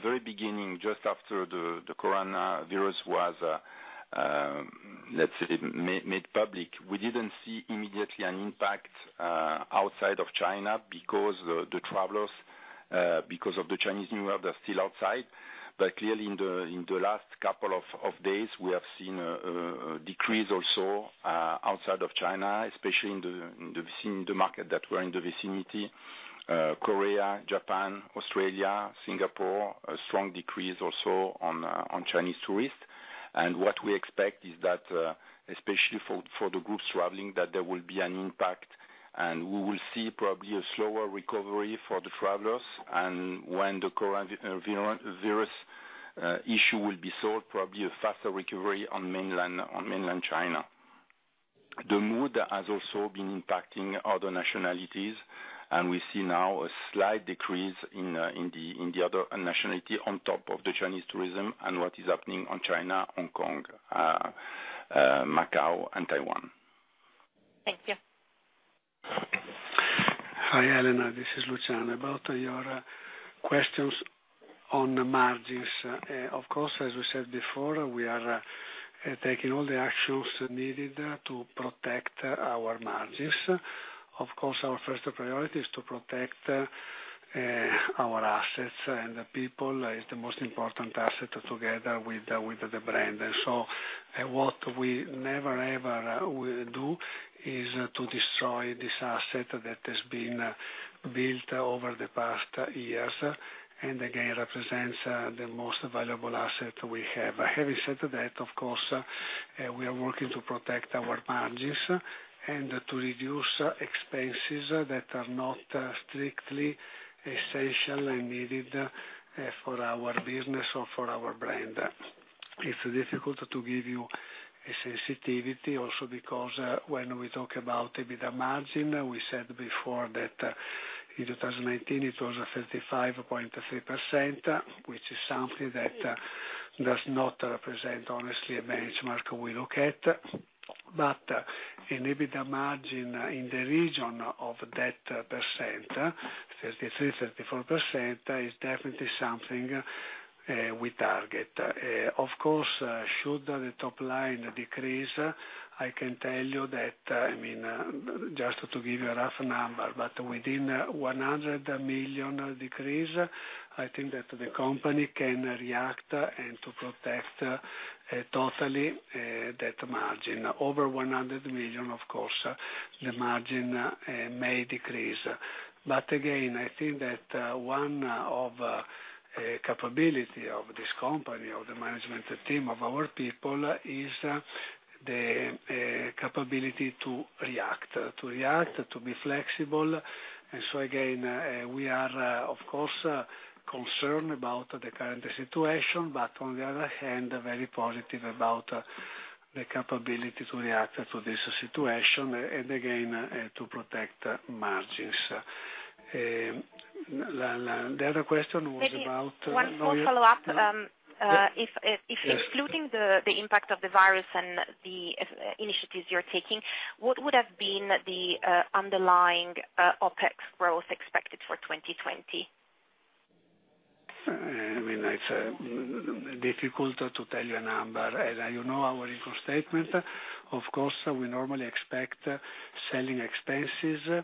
very beginning, just after the coronavirus was, let's say, made public, we didn't see immediately an impact outside of China because of the travelers, because of the Chinese New Year, they're still outside. Clearly in the last couple of days, we have seen a decrease also outside of China, especially in the market that were in the vicinity, Korea, Japan, Australia, Singapore, a strong decrease also on Chinese tourists. What we expect is that, especially for the groups traveling, there will be an impact, and we will see probably a slower recovery for the travelers. When the coronavirus issue will be solved, probably a faster recovery on mainland China. The mood has also been impacting other nationalities, and we see now a slight decrease in the other nationality on top of the Chinese tourism and what is happening on China, Hong Kong, Macau and Taiwan. Thank you. Hi, Elena. This is Luciano. About your questions on the margins. Of course, as we said before, we are taking all the actions needed to protect our margins. Of course, our first priority is to protect our assets, and the people is the most important asset together with the brand. What we never, ever will do is to destroy this asset that has been built over the past years and again, represents the most valuable asset we have. Having said that, of course, we are working to protect our margins and to reduce expenses that are not strictly essential and needed for our business or for our brand. It's difficult to give you a sensitivity also because when we talk about EBITDA margin, we said before that in 2019 it was 35.3%, which is something that does not represent honestly a benchmark we look at. An EBITDA margin in the region of that percent, 33%, 34%, is definitely something we target. Of course, should the top line decrease, I can tell you that, just to give you a rough number, but within 100 million decrease, I think that the company can react and to protect totally that margin. Over 100 million, of course, the margin may decrease. Again, I think that one of capability of this company, of the management team, of our people, is the capability to react. To react, to be flexible. Again, we are of course, concerned about the current situation, but on the other hand, very positive about the capability to react to this situation and again, to protect margins. The other question was about- Maybe one more follow-up. Yeah. If excluding the impact of the virus and the initiatives you're taking, what would have been the underlying OpEx growth expected for 2020? It's difficult to tell you a number. You know our income statement. Of course, we normally expect selling expenses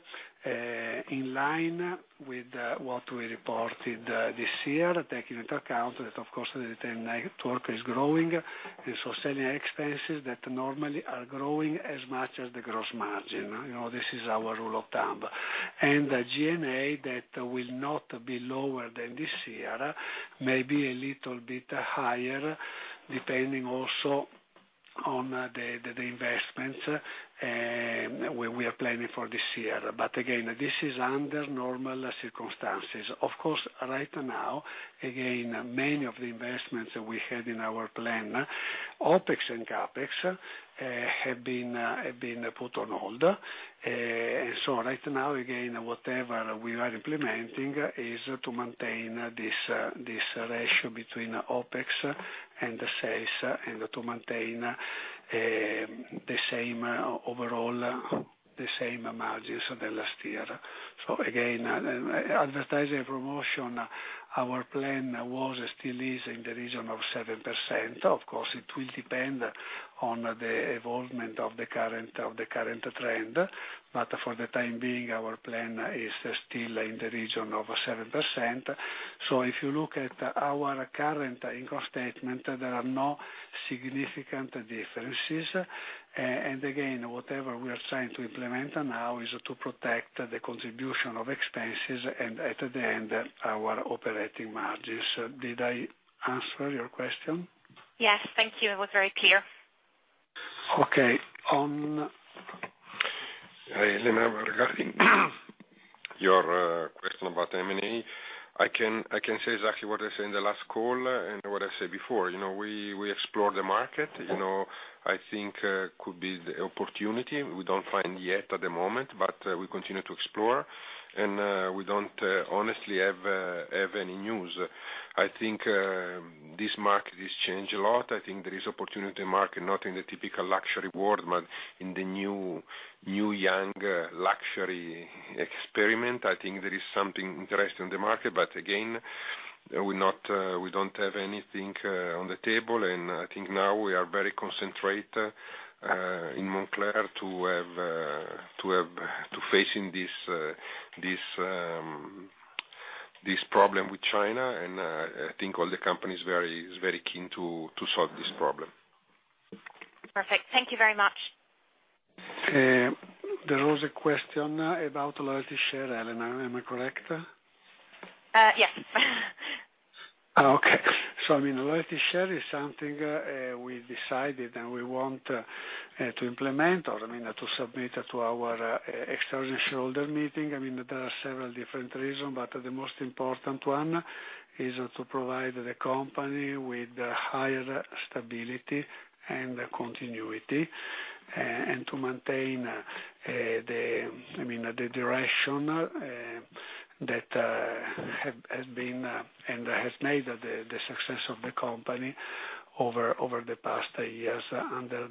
in line with what we reported this year, taking into account that of course, the retail network is growing, selling expenses that normally are growing as much as the gross margin. This is our rule of thumb. The G&A, that will not be lower than this year, maybe a little bit higher, depending also on the investments we are planning for this year. Again, this is under normal circumstances. Of course, right now, again, many of the investments we had in our plan, OpEx and CapEx, have been put on hold. Right now, again, whatever we are implementing is to maintain this ratio between OpEx and the sales and to maintain the same overall margins than last year. Again, advertising promotion, our plan was, still is, in the region of 7%. Of course, it will depend on the evolvement of the current trend. For the time being, our plan is still in the region of 7%. If you look at our current income statement, there are no significant differences. Again, whatever we are trying to implement now is to protect the contribution of expenses and at the end, our operating margins. Did I answer your question? Yes. Thank you. It was very clear. Okay. Elena, regarding your question about M&A, I can say exactly what I said in the last call and what I said before. We explore the market. I think could be the opportunity, we don't find yet at the moment, we continue to explore. We don't, honestly, have any news. I think this market has changed a lot. I think there is opportunity in market, not in the typical luxury world, in the new, young luxury experiment. I think there is something interesting in the market. Again, we don't have anything on the table, and I think now we are very concentrate in Moncler to facing this problem with China, and I think all the company is very keen to solve this problem. Perfect. Thank you very much. There was a question about loyalty share, Elena. Am I correct? Yes. Okay. Loyalty share is something we decided and we want to implement, or to submit to our extraordinary shareholder meeting. There are several different reasons, the most important one is to provide the company with higher stability and continuity, and to maintain the direction that has been and has made the success of the company over the past years under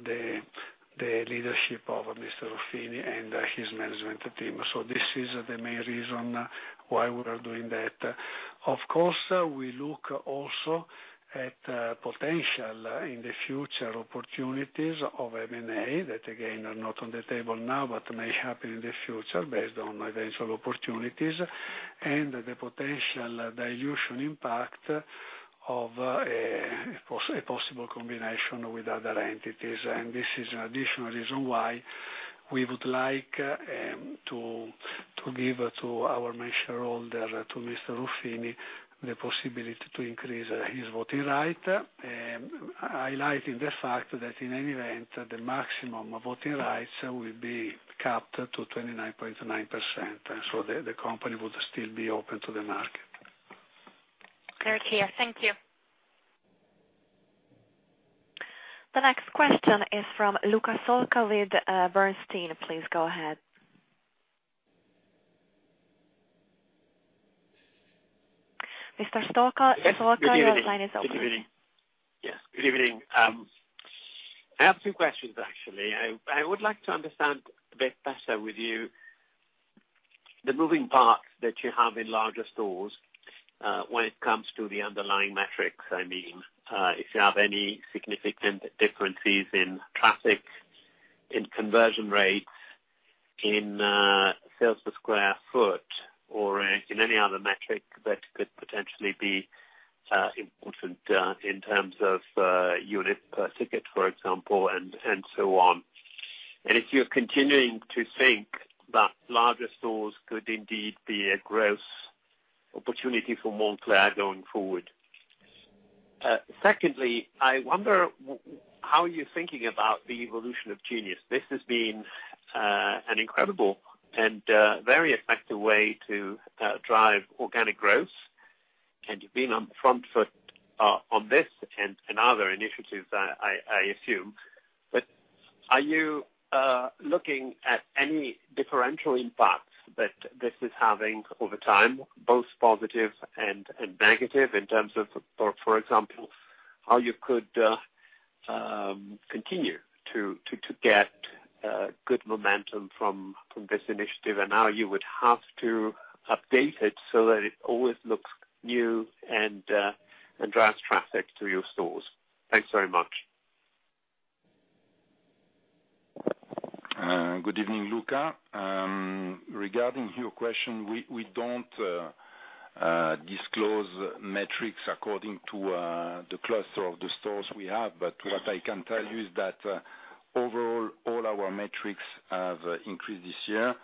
the leadership of Mr. Ruffini and his management team. This is the main reason why we are doing that. Of course, we look also at potential in the future opportunities of M&A that again, are not on the table now, may happen in the future based on eventual opportunities and the potential dilution impact of a possible combination with other entities. This is an additional reason why we would like to give to our main shareholder, to Mr. Ruffini, the possibility to increase his voting right, highlighting the fact that in any event, the maximum voting rights will be capped to 29.9%. The company would still be open to the market. Very clear. Thank you. The next question is from Luca Solca with Bernstein. Please go ahead. Mr. Solca, your line is open. Yes. Good evening. I have two questions, actually. I would like to understand a bit better with you the moving parts that you have in larger stores, when it comes to the underlying metrics. If you have any significant differences in traffic, in conversion rates, in sales per square foot, or in any other metric that could potentially be important in terms of unit per ticket, for example, and so on. If you're continuing to think that larger stores could indeed be a growth opportunity for Moncler going forward. Secondly, I wonder how you're thinking about the evolution of Genius. This has been an incredible and very effective way to drive organic growth. You've been on the front foot on this and other initiatives, I assume. Are you looking at any differential impacts that this is having over time, both positive and negative in terms of, for example, how you could continue to get good momentum from this initiative and how you would have to update it so that it always looks new and drives traffic to your stores? Thanks very much. Good evening, Luca. Regarding your question, we don't disclose metrics according to the cluster of the stores we have. What I can tell you is that overall, all our metrics have increased this year,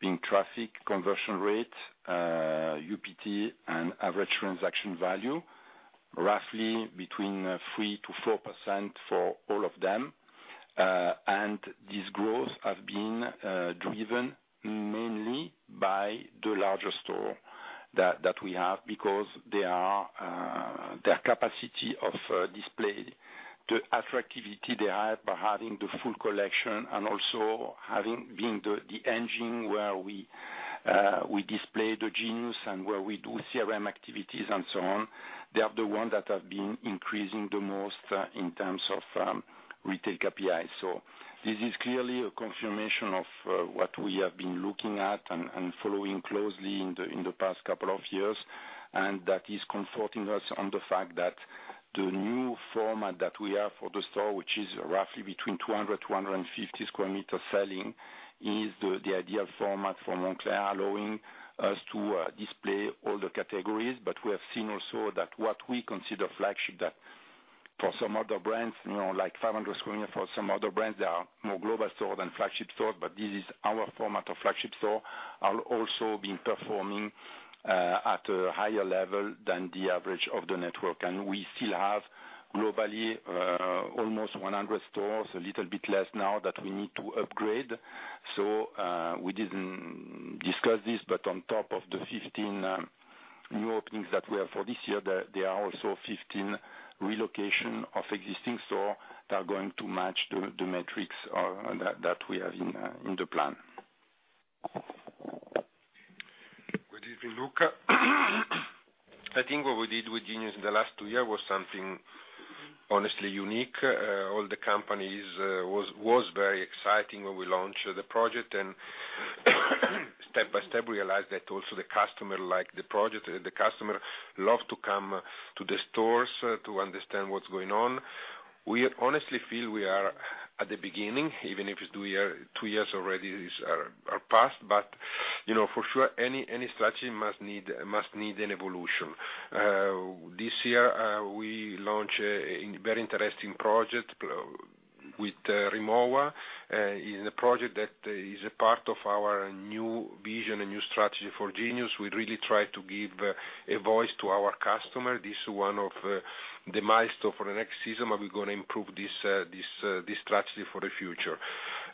being traffic, conversion rate, UPT, and average transaction value, roughly between 3%-4% for all of them. This growth have been driven mainly by the larger store that we have because their capacity of display, the attractivity they have by having the full collection and also having been the engine where we display the Genius and where we do CRM activities and so on. They are the ones that have been increasing the most in terms of retail KPI. This is clearly a confirmation of what we have been looking at and following closely in the past couple of years, and that is comforting us on the fact that the new format that we have for the store, which is roughly between 200 to 150 sq m selling, is the ideal format for Moncler, allowing us to display all the categories. We have seen also that what we consider flagship, that for some other brands, like 500 sq m for some other brands, they are more global store than flagship stores, but this is our format of flagship store, are also been performing at a higher level than the average of the network. We still have globally, almost 100 stores, a little bit less now that we need to upgrade. We didn't discuss this, but on top of the 15 new openings that we have for this year, there are also 15 relocation of existing store that are going to match the metrics that we have in the plan. Good evening, Luca. I think what we did with Genius in the last two years was something honestly unique. All the companies was very exciting when we launched the project and step by step realized that also the customer like the project. The customer love to come to the stores to understand what's going on. We honestly feel we are at the beginning, even if it's two years already are past. For sure, any strategy must need an evolution. This year, we launch a very interesting project with Rimowa. In the project that is a part of our new vision and new strategy for Genius. We really try to give a voice to our customer. This is one of the milestone for the next season, and we're going to improve this strategy for the future.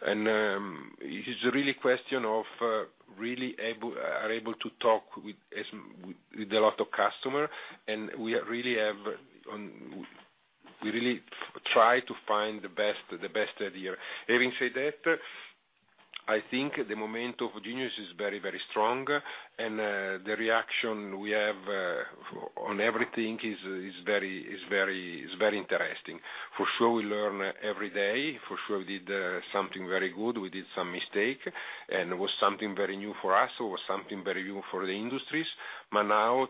It is really question of really are able to talk with a lot of customer, and we really try to find the best idea. Having said that, I think the momentum for Genius is very, very strong, and the reaction we have on everything is very interesting. For sure, we learn every day. For sure, we did something very good. We did some mistake, and it was something very new for us or something very new for the industries. Now,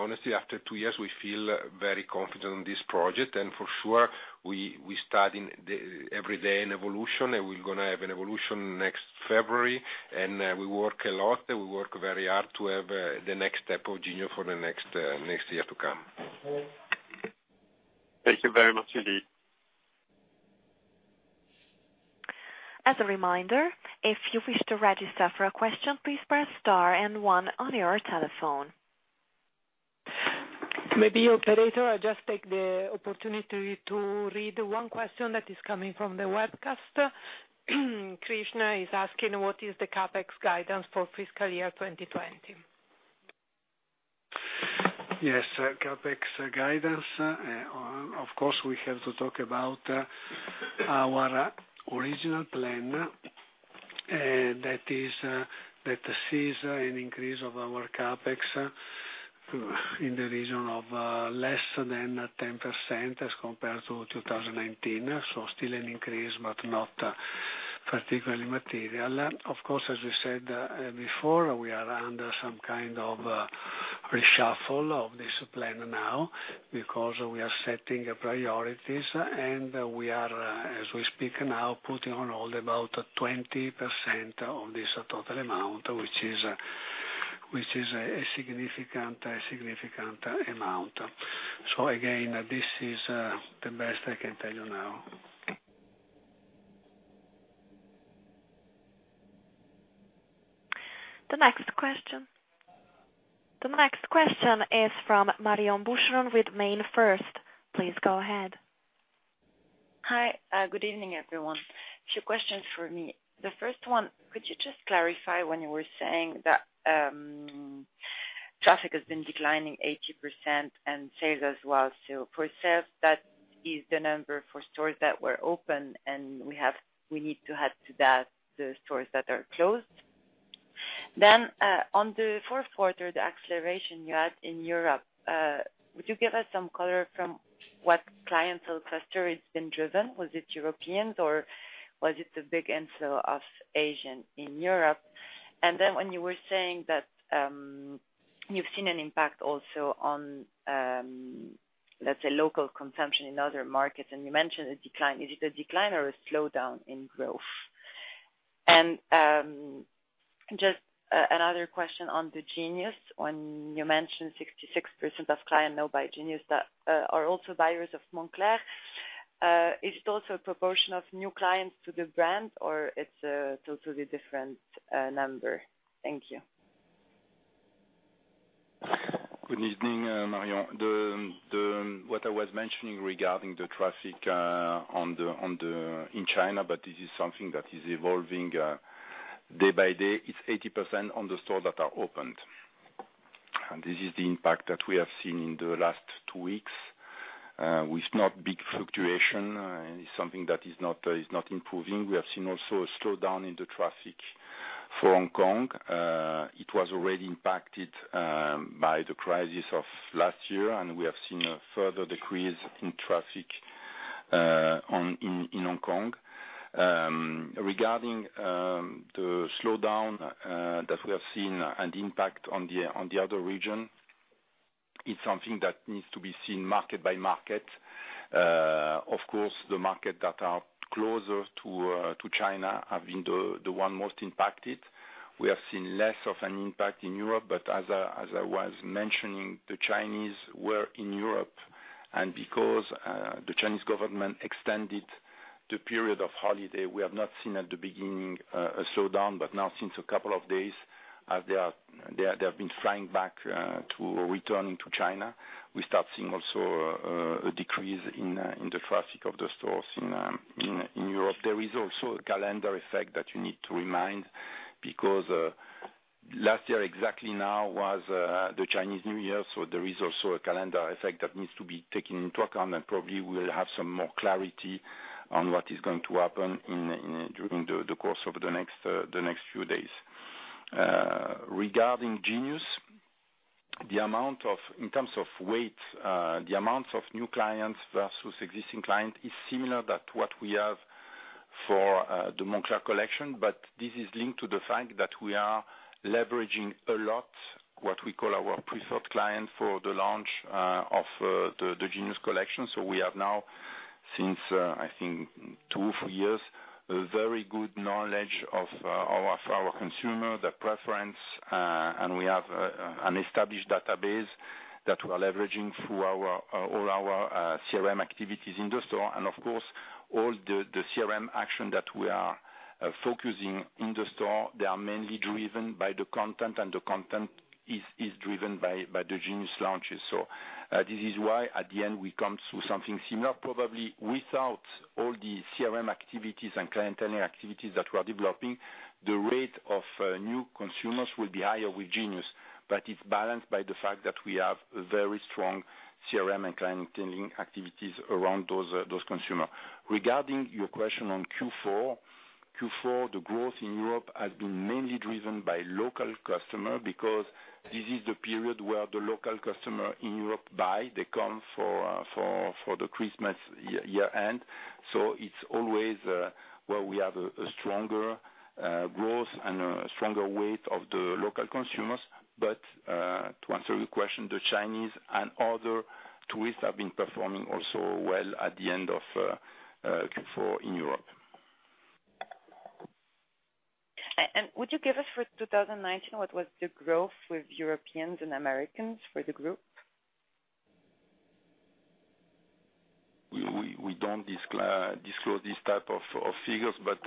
honestly, after two years, we feel very confident in this project. For sure, we start every day in evolution, and we're going to have an evolution next February. We work a lot, and we work very hard to have the next step of Genius for the next year to come. Thank you very much, indeed. As a reminder, if you wish to register for a question, please press star and one on your telephone. Maybe operator, I just take the opportunity to read one question that is coming from the webcast. Krishna is asking what is the CapEx guidance for fiscal year 2020. Yes. CapEx guidance. Of course, we have to talk about our original plan. That sees an increase of our CapEx in the region of less than 10% as compared to 2019. Still an increase, but not particularly material. Of course, as we said before, we are under some kind of reshuffle of this plan now because we are setting priorities, and we are, as we speak now, putting on hold about 20% of this total amount, which is a significant amount. Again, this is the best I can tell you now. The next question. The next question is from Marion Cohet Boucheron with MainFirst. Please go ahead. Hi. Good evening, everyone. Two questions from me. The first one, could you just clarify when you were saying that traffic has been declining 80% and sales as well, for sales, that is the number for stores that were open, and we need to add to that the stores that are closed? On the fourth quarter, the acceleration you had in Europe, would you give us some color from what clientele cluster it's been driven? Was it Europeans, or was it the big inflow of Asian in Europe? When you were saying that you've seen an impact also on, let's say, local consumption in other markets, and you mentioned a decline, is it a decline or a slowdown in growth? Just another question on the Genius. When you mentioned 66% of clients now buy Genius, that are also buyers of Moncler. Is it also a proportion of new clients to the brand, or it's a totally different number? Thank you. Good evening, Marion. What I was mentioning regarding the traffic in China, this is something that is evolving day by day. It's 80% on the stores that are opened. This is the impact that we have seen in the last two weeks, with no big fluctuation. It's something that is not improving. We have seen also a slowdown in the traffic for Hong Kong. It was already impacted by the crisis of last year, we have seen a further decrease in traffic in Hong Kong. Regarding the slowdown that we have seen and impact on the other region, it's something that needs to be seen market by market. Of course, the market that are closer to China have been the one most impacted. We have seen less of an impact in Europe, but as I was mentioning, the Chinese were in Europe, and because the Chinese government extended the period of holiday, we have not seen at the beginning a slowdown. Now since a couple of days, as they have been flying back to returning to China, we start seeing also a decrease in the traffic of the stores in Europe. There is also a calendar effect that you need to remind because last year exactly now was the Chinese New Year, so there is also a calendar effect that needs to be taken into account, and probably we'll have some more clarity on what is going to happen during the course of the next few days. Regarding Genius, in terms of weight, the amount of new clients versus existing client is similar that what we have for the Moncler collection. This is linked to the fact that we are leveraging a lot what we call our preferred client for the launch of the Genius collection. We have now, since I think two, four years, a very good knowledge of our consumer, the preference, and we have an established database that we're leveraging through all our CRM activities in the store. Of course, all the CRM action that we are focusing in the store, they are mainly driven by the content, and the content is driven by the Genius launches. This is why at the end, we come to something similar. Probably without all the CRM activities and clienteling activities that we're developing, the rate of new consumers will be higher with Genius. It's balanced by the fact that we have a very strong CRM and clienteling activities around those consumer. Regarding your question on Q4, the growth in Europe has been mainly driven by local customer because this is the period where the local customer in Europe buy. They come for the Christmas year-end. It's always where we have a stronger growth and a stronger weight of the local consumers. To answer your question, the Chinese and other tourists have been performing also well at the end of Q4 in Europe. Would you give us for 2019, what was the growth with Europeans and Americans for the group? We don't disclose these type of figures, but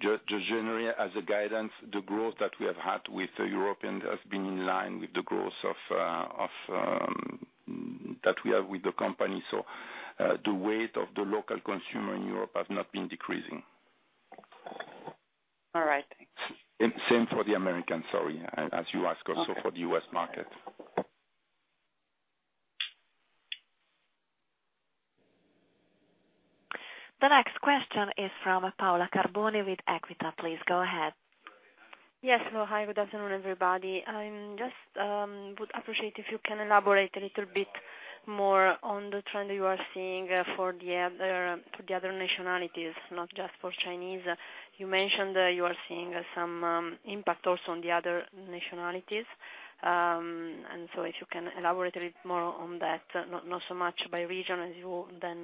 just generally as a guidance, the growth that we have had with the Europeans has been in line with the growth that we have with the company. The weight of the local consumer in Europe has not been decreasing. All right. Thanks. Same for the American, sorry. As you ask also for the U.S. market. The next question is from Paola Carboni with Equita. Please go ahead. Yes. Hello, hi. Good afternoon, everybody. I just would appreciate if you can elaborate a little bit more on the trend you are seeing for the other nationalities, not just for Chinese. You mentioned that you are seeing some impact also on the other nationalities. If you can elaborate a bit more on that, not so much by region as you then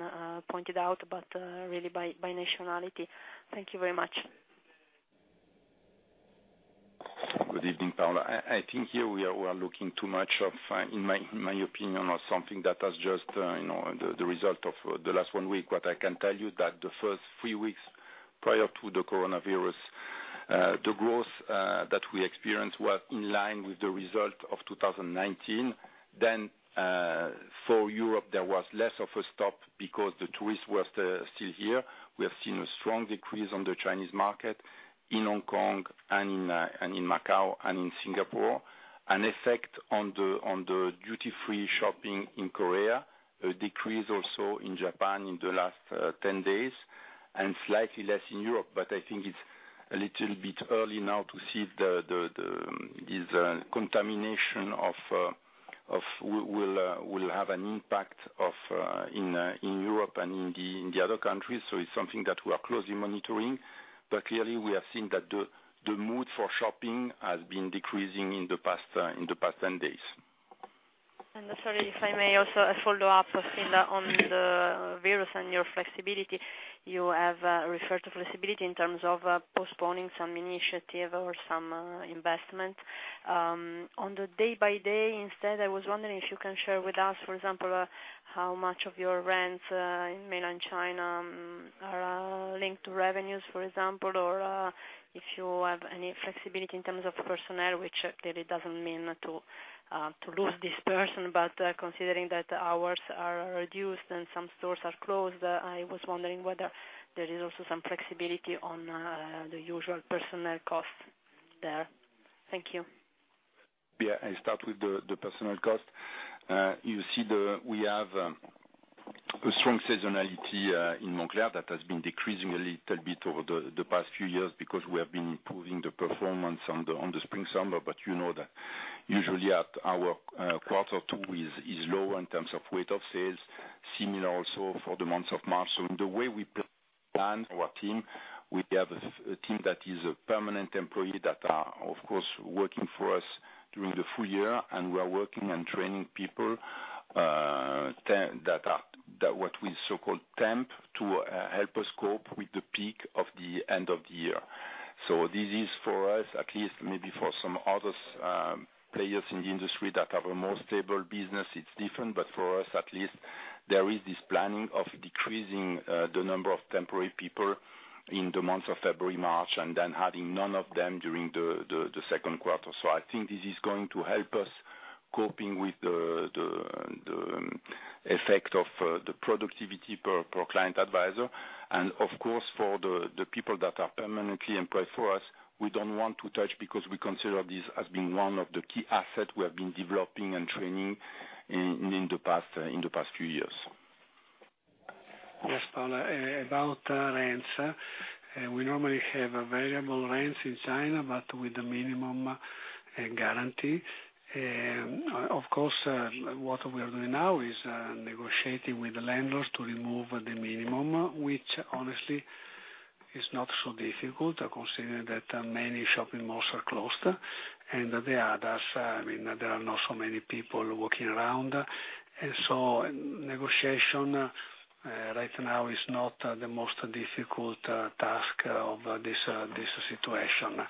pointed out, but really by nationality. Thank you very much. Good evening, Paola. I think here we are looking too much of, in my opinion, of something that has just the result of the last one week. What I can tell you is that the first three weeks prior to the coronavirus. The growth that we experienced was in line with the result of 2019. For Europe, there was less of a stop because the tourists were still here. We have seen a strong decrease on the Chinese market, in Hong Kong and in Macau, and in Singapore. An effect on the duty-free shopping in Korea, a decrease also in Japan in the last 10 days, and slightly less in Europe. I think it's a little bit early now to see this contamination will have an impact in Europe and in the other countries. It's something that we are closely monitoring. Clearly, we have seen that the mood for shopping has been decreasing in the past 10 days. Sorry, if I may also follow up, Ruffini, on the virus and your flexibility. You have referred to flexibility in terms of postponing some initiative or some investment. On the day by day instead, I was wondering if you can share with us, for example, how much of your rents in mainland China are linked to revenues, for example, or if you have any flexibility in terms of personnel, which clearly doesn't mean to lose this person. Considering that hours are reduced and some stores are closed, I was wondering whether there is also some flexibility on the usual personnel costs there. Thank you. Yeah, I start with the personnel cost. You see that we have a strong seasonality in Moncler that has been decreasing a little bit over the past few years because we have been improving the performance on the spring/summer. You know that usually our quarter two is low in terms of weight of sales, similar also for the month of March. The way we plan our team, we have a team that is permanent employees that are, of course, working for us during the full year, and we are working and training people, what we so-called temp, to help us cope with the peak of the end of the year. This is for us, at least maybe for some other players in the industry that have a more stable business, it's different. For us, at least, there is this planning of decreasing the number of temporary people in the months of February, March, and then having none of them during the second quarter. I think this is going to help us coping with the effect of the productivity per client advisor. Of course, for the people that are permanently employed for us, we don't want to touch because we consider this as being one of the key assets we have been developing and training in the past few years. Yes, Paola. About rents, we normally have variable rents in China, but with a minimum guarantee. Of course, what we are doing now is negotiating with the landlords to remove the minimum, which honestly is not so difficult, considering that many shopping malls are closed and the others, there are not so many people walking around. Negotiation right now is not the most difficult task of this situation.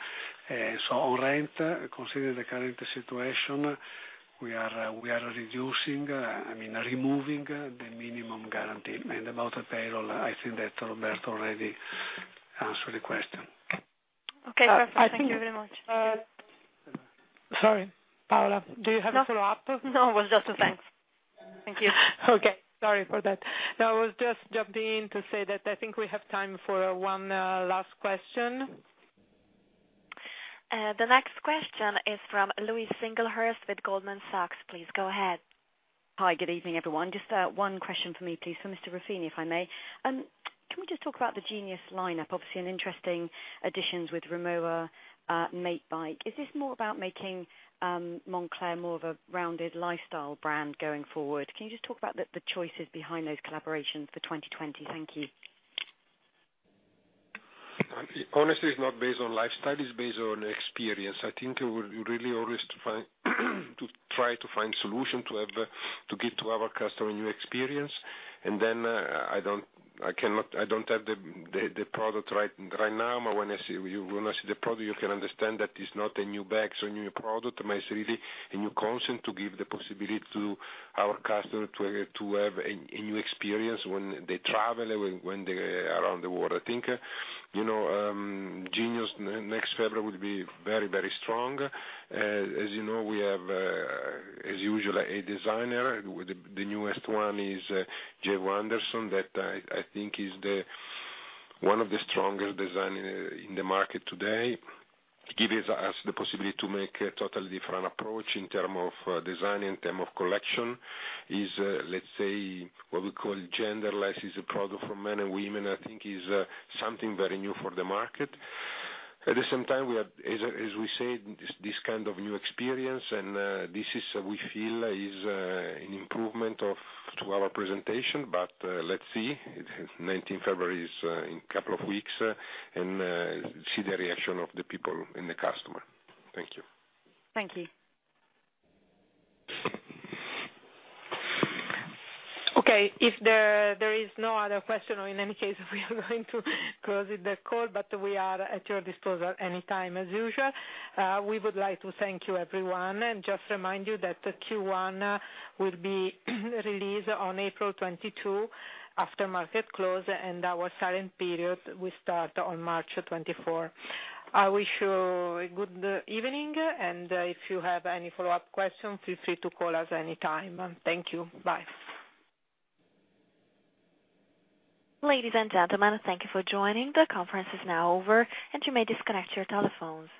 On rent, considering the current situation, we are removing the minimum guarantee. About the payroll, I think that Roberto already answered the question. Okay, perfect. Thank you very much. Sorry, Paola, do you have a follow-up? No, it was just a thanks. Thank you. Okay, sorry for that. I was just jumping in to say that I think we have time for one last question. The next question is from Louise Singlehurst with Goldman Sachs. Please go ahead. Hi, good evening, everyone. Just one question for me, please, for Mr. Ruffini, if I may. Can we just talk about the Moncler Genius? Obviously, an interesting additions with Rimowa, Mate.Bike. Is this more about making Moncler more of a rounded lifestyle brand going forward? Can you just talk about the choices behind those collaborations for 2020? Honestly, it's not based on lifestyle, it's based on experience. I think we're really always to try to find solution to give to our customer a new experience. I don't have the product right now, but when I see the product, you can understand that it's not a new bag, it's a new product, but it's really a new concept to give the possibility to our customer to have a new experience when they travel, when they are around the world. I think Genius next February would be very strong. As you know, we have, as usual, a designer. The newest one is JW Anderson, that I think is one of the strongest designer in the market today. Give us the possibility to make a totally different approach in term of design, in term of collection. Is, let's say, what we call genderless. It's a product for men and women. I think is something very new for the market. At the same time, as we said, this kind of new experience, and this is we feel is an improvement to our presentation. Let's see. 19 February is in a couple of weeks and see the reaction of the people and the customer. Thank you. Thank you. Okay, if there is no other question or in any case, we are going to close the call, but we are at your disposal anytime, as usual. We would like to thank you, everyone, and just remind you that the Q1 will be released on April 22 after market close, and our silent period will start on March 24. I wish you a good evening, and if you have any follow-up questions, feel free to call us anytime. Thank you. Bye. Ladies and gentlemen, thank you for joining. The conference is now over, and you may disconnect your telephones.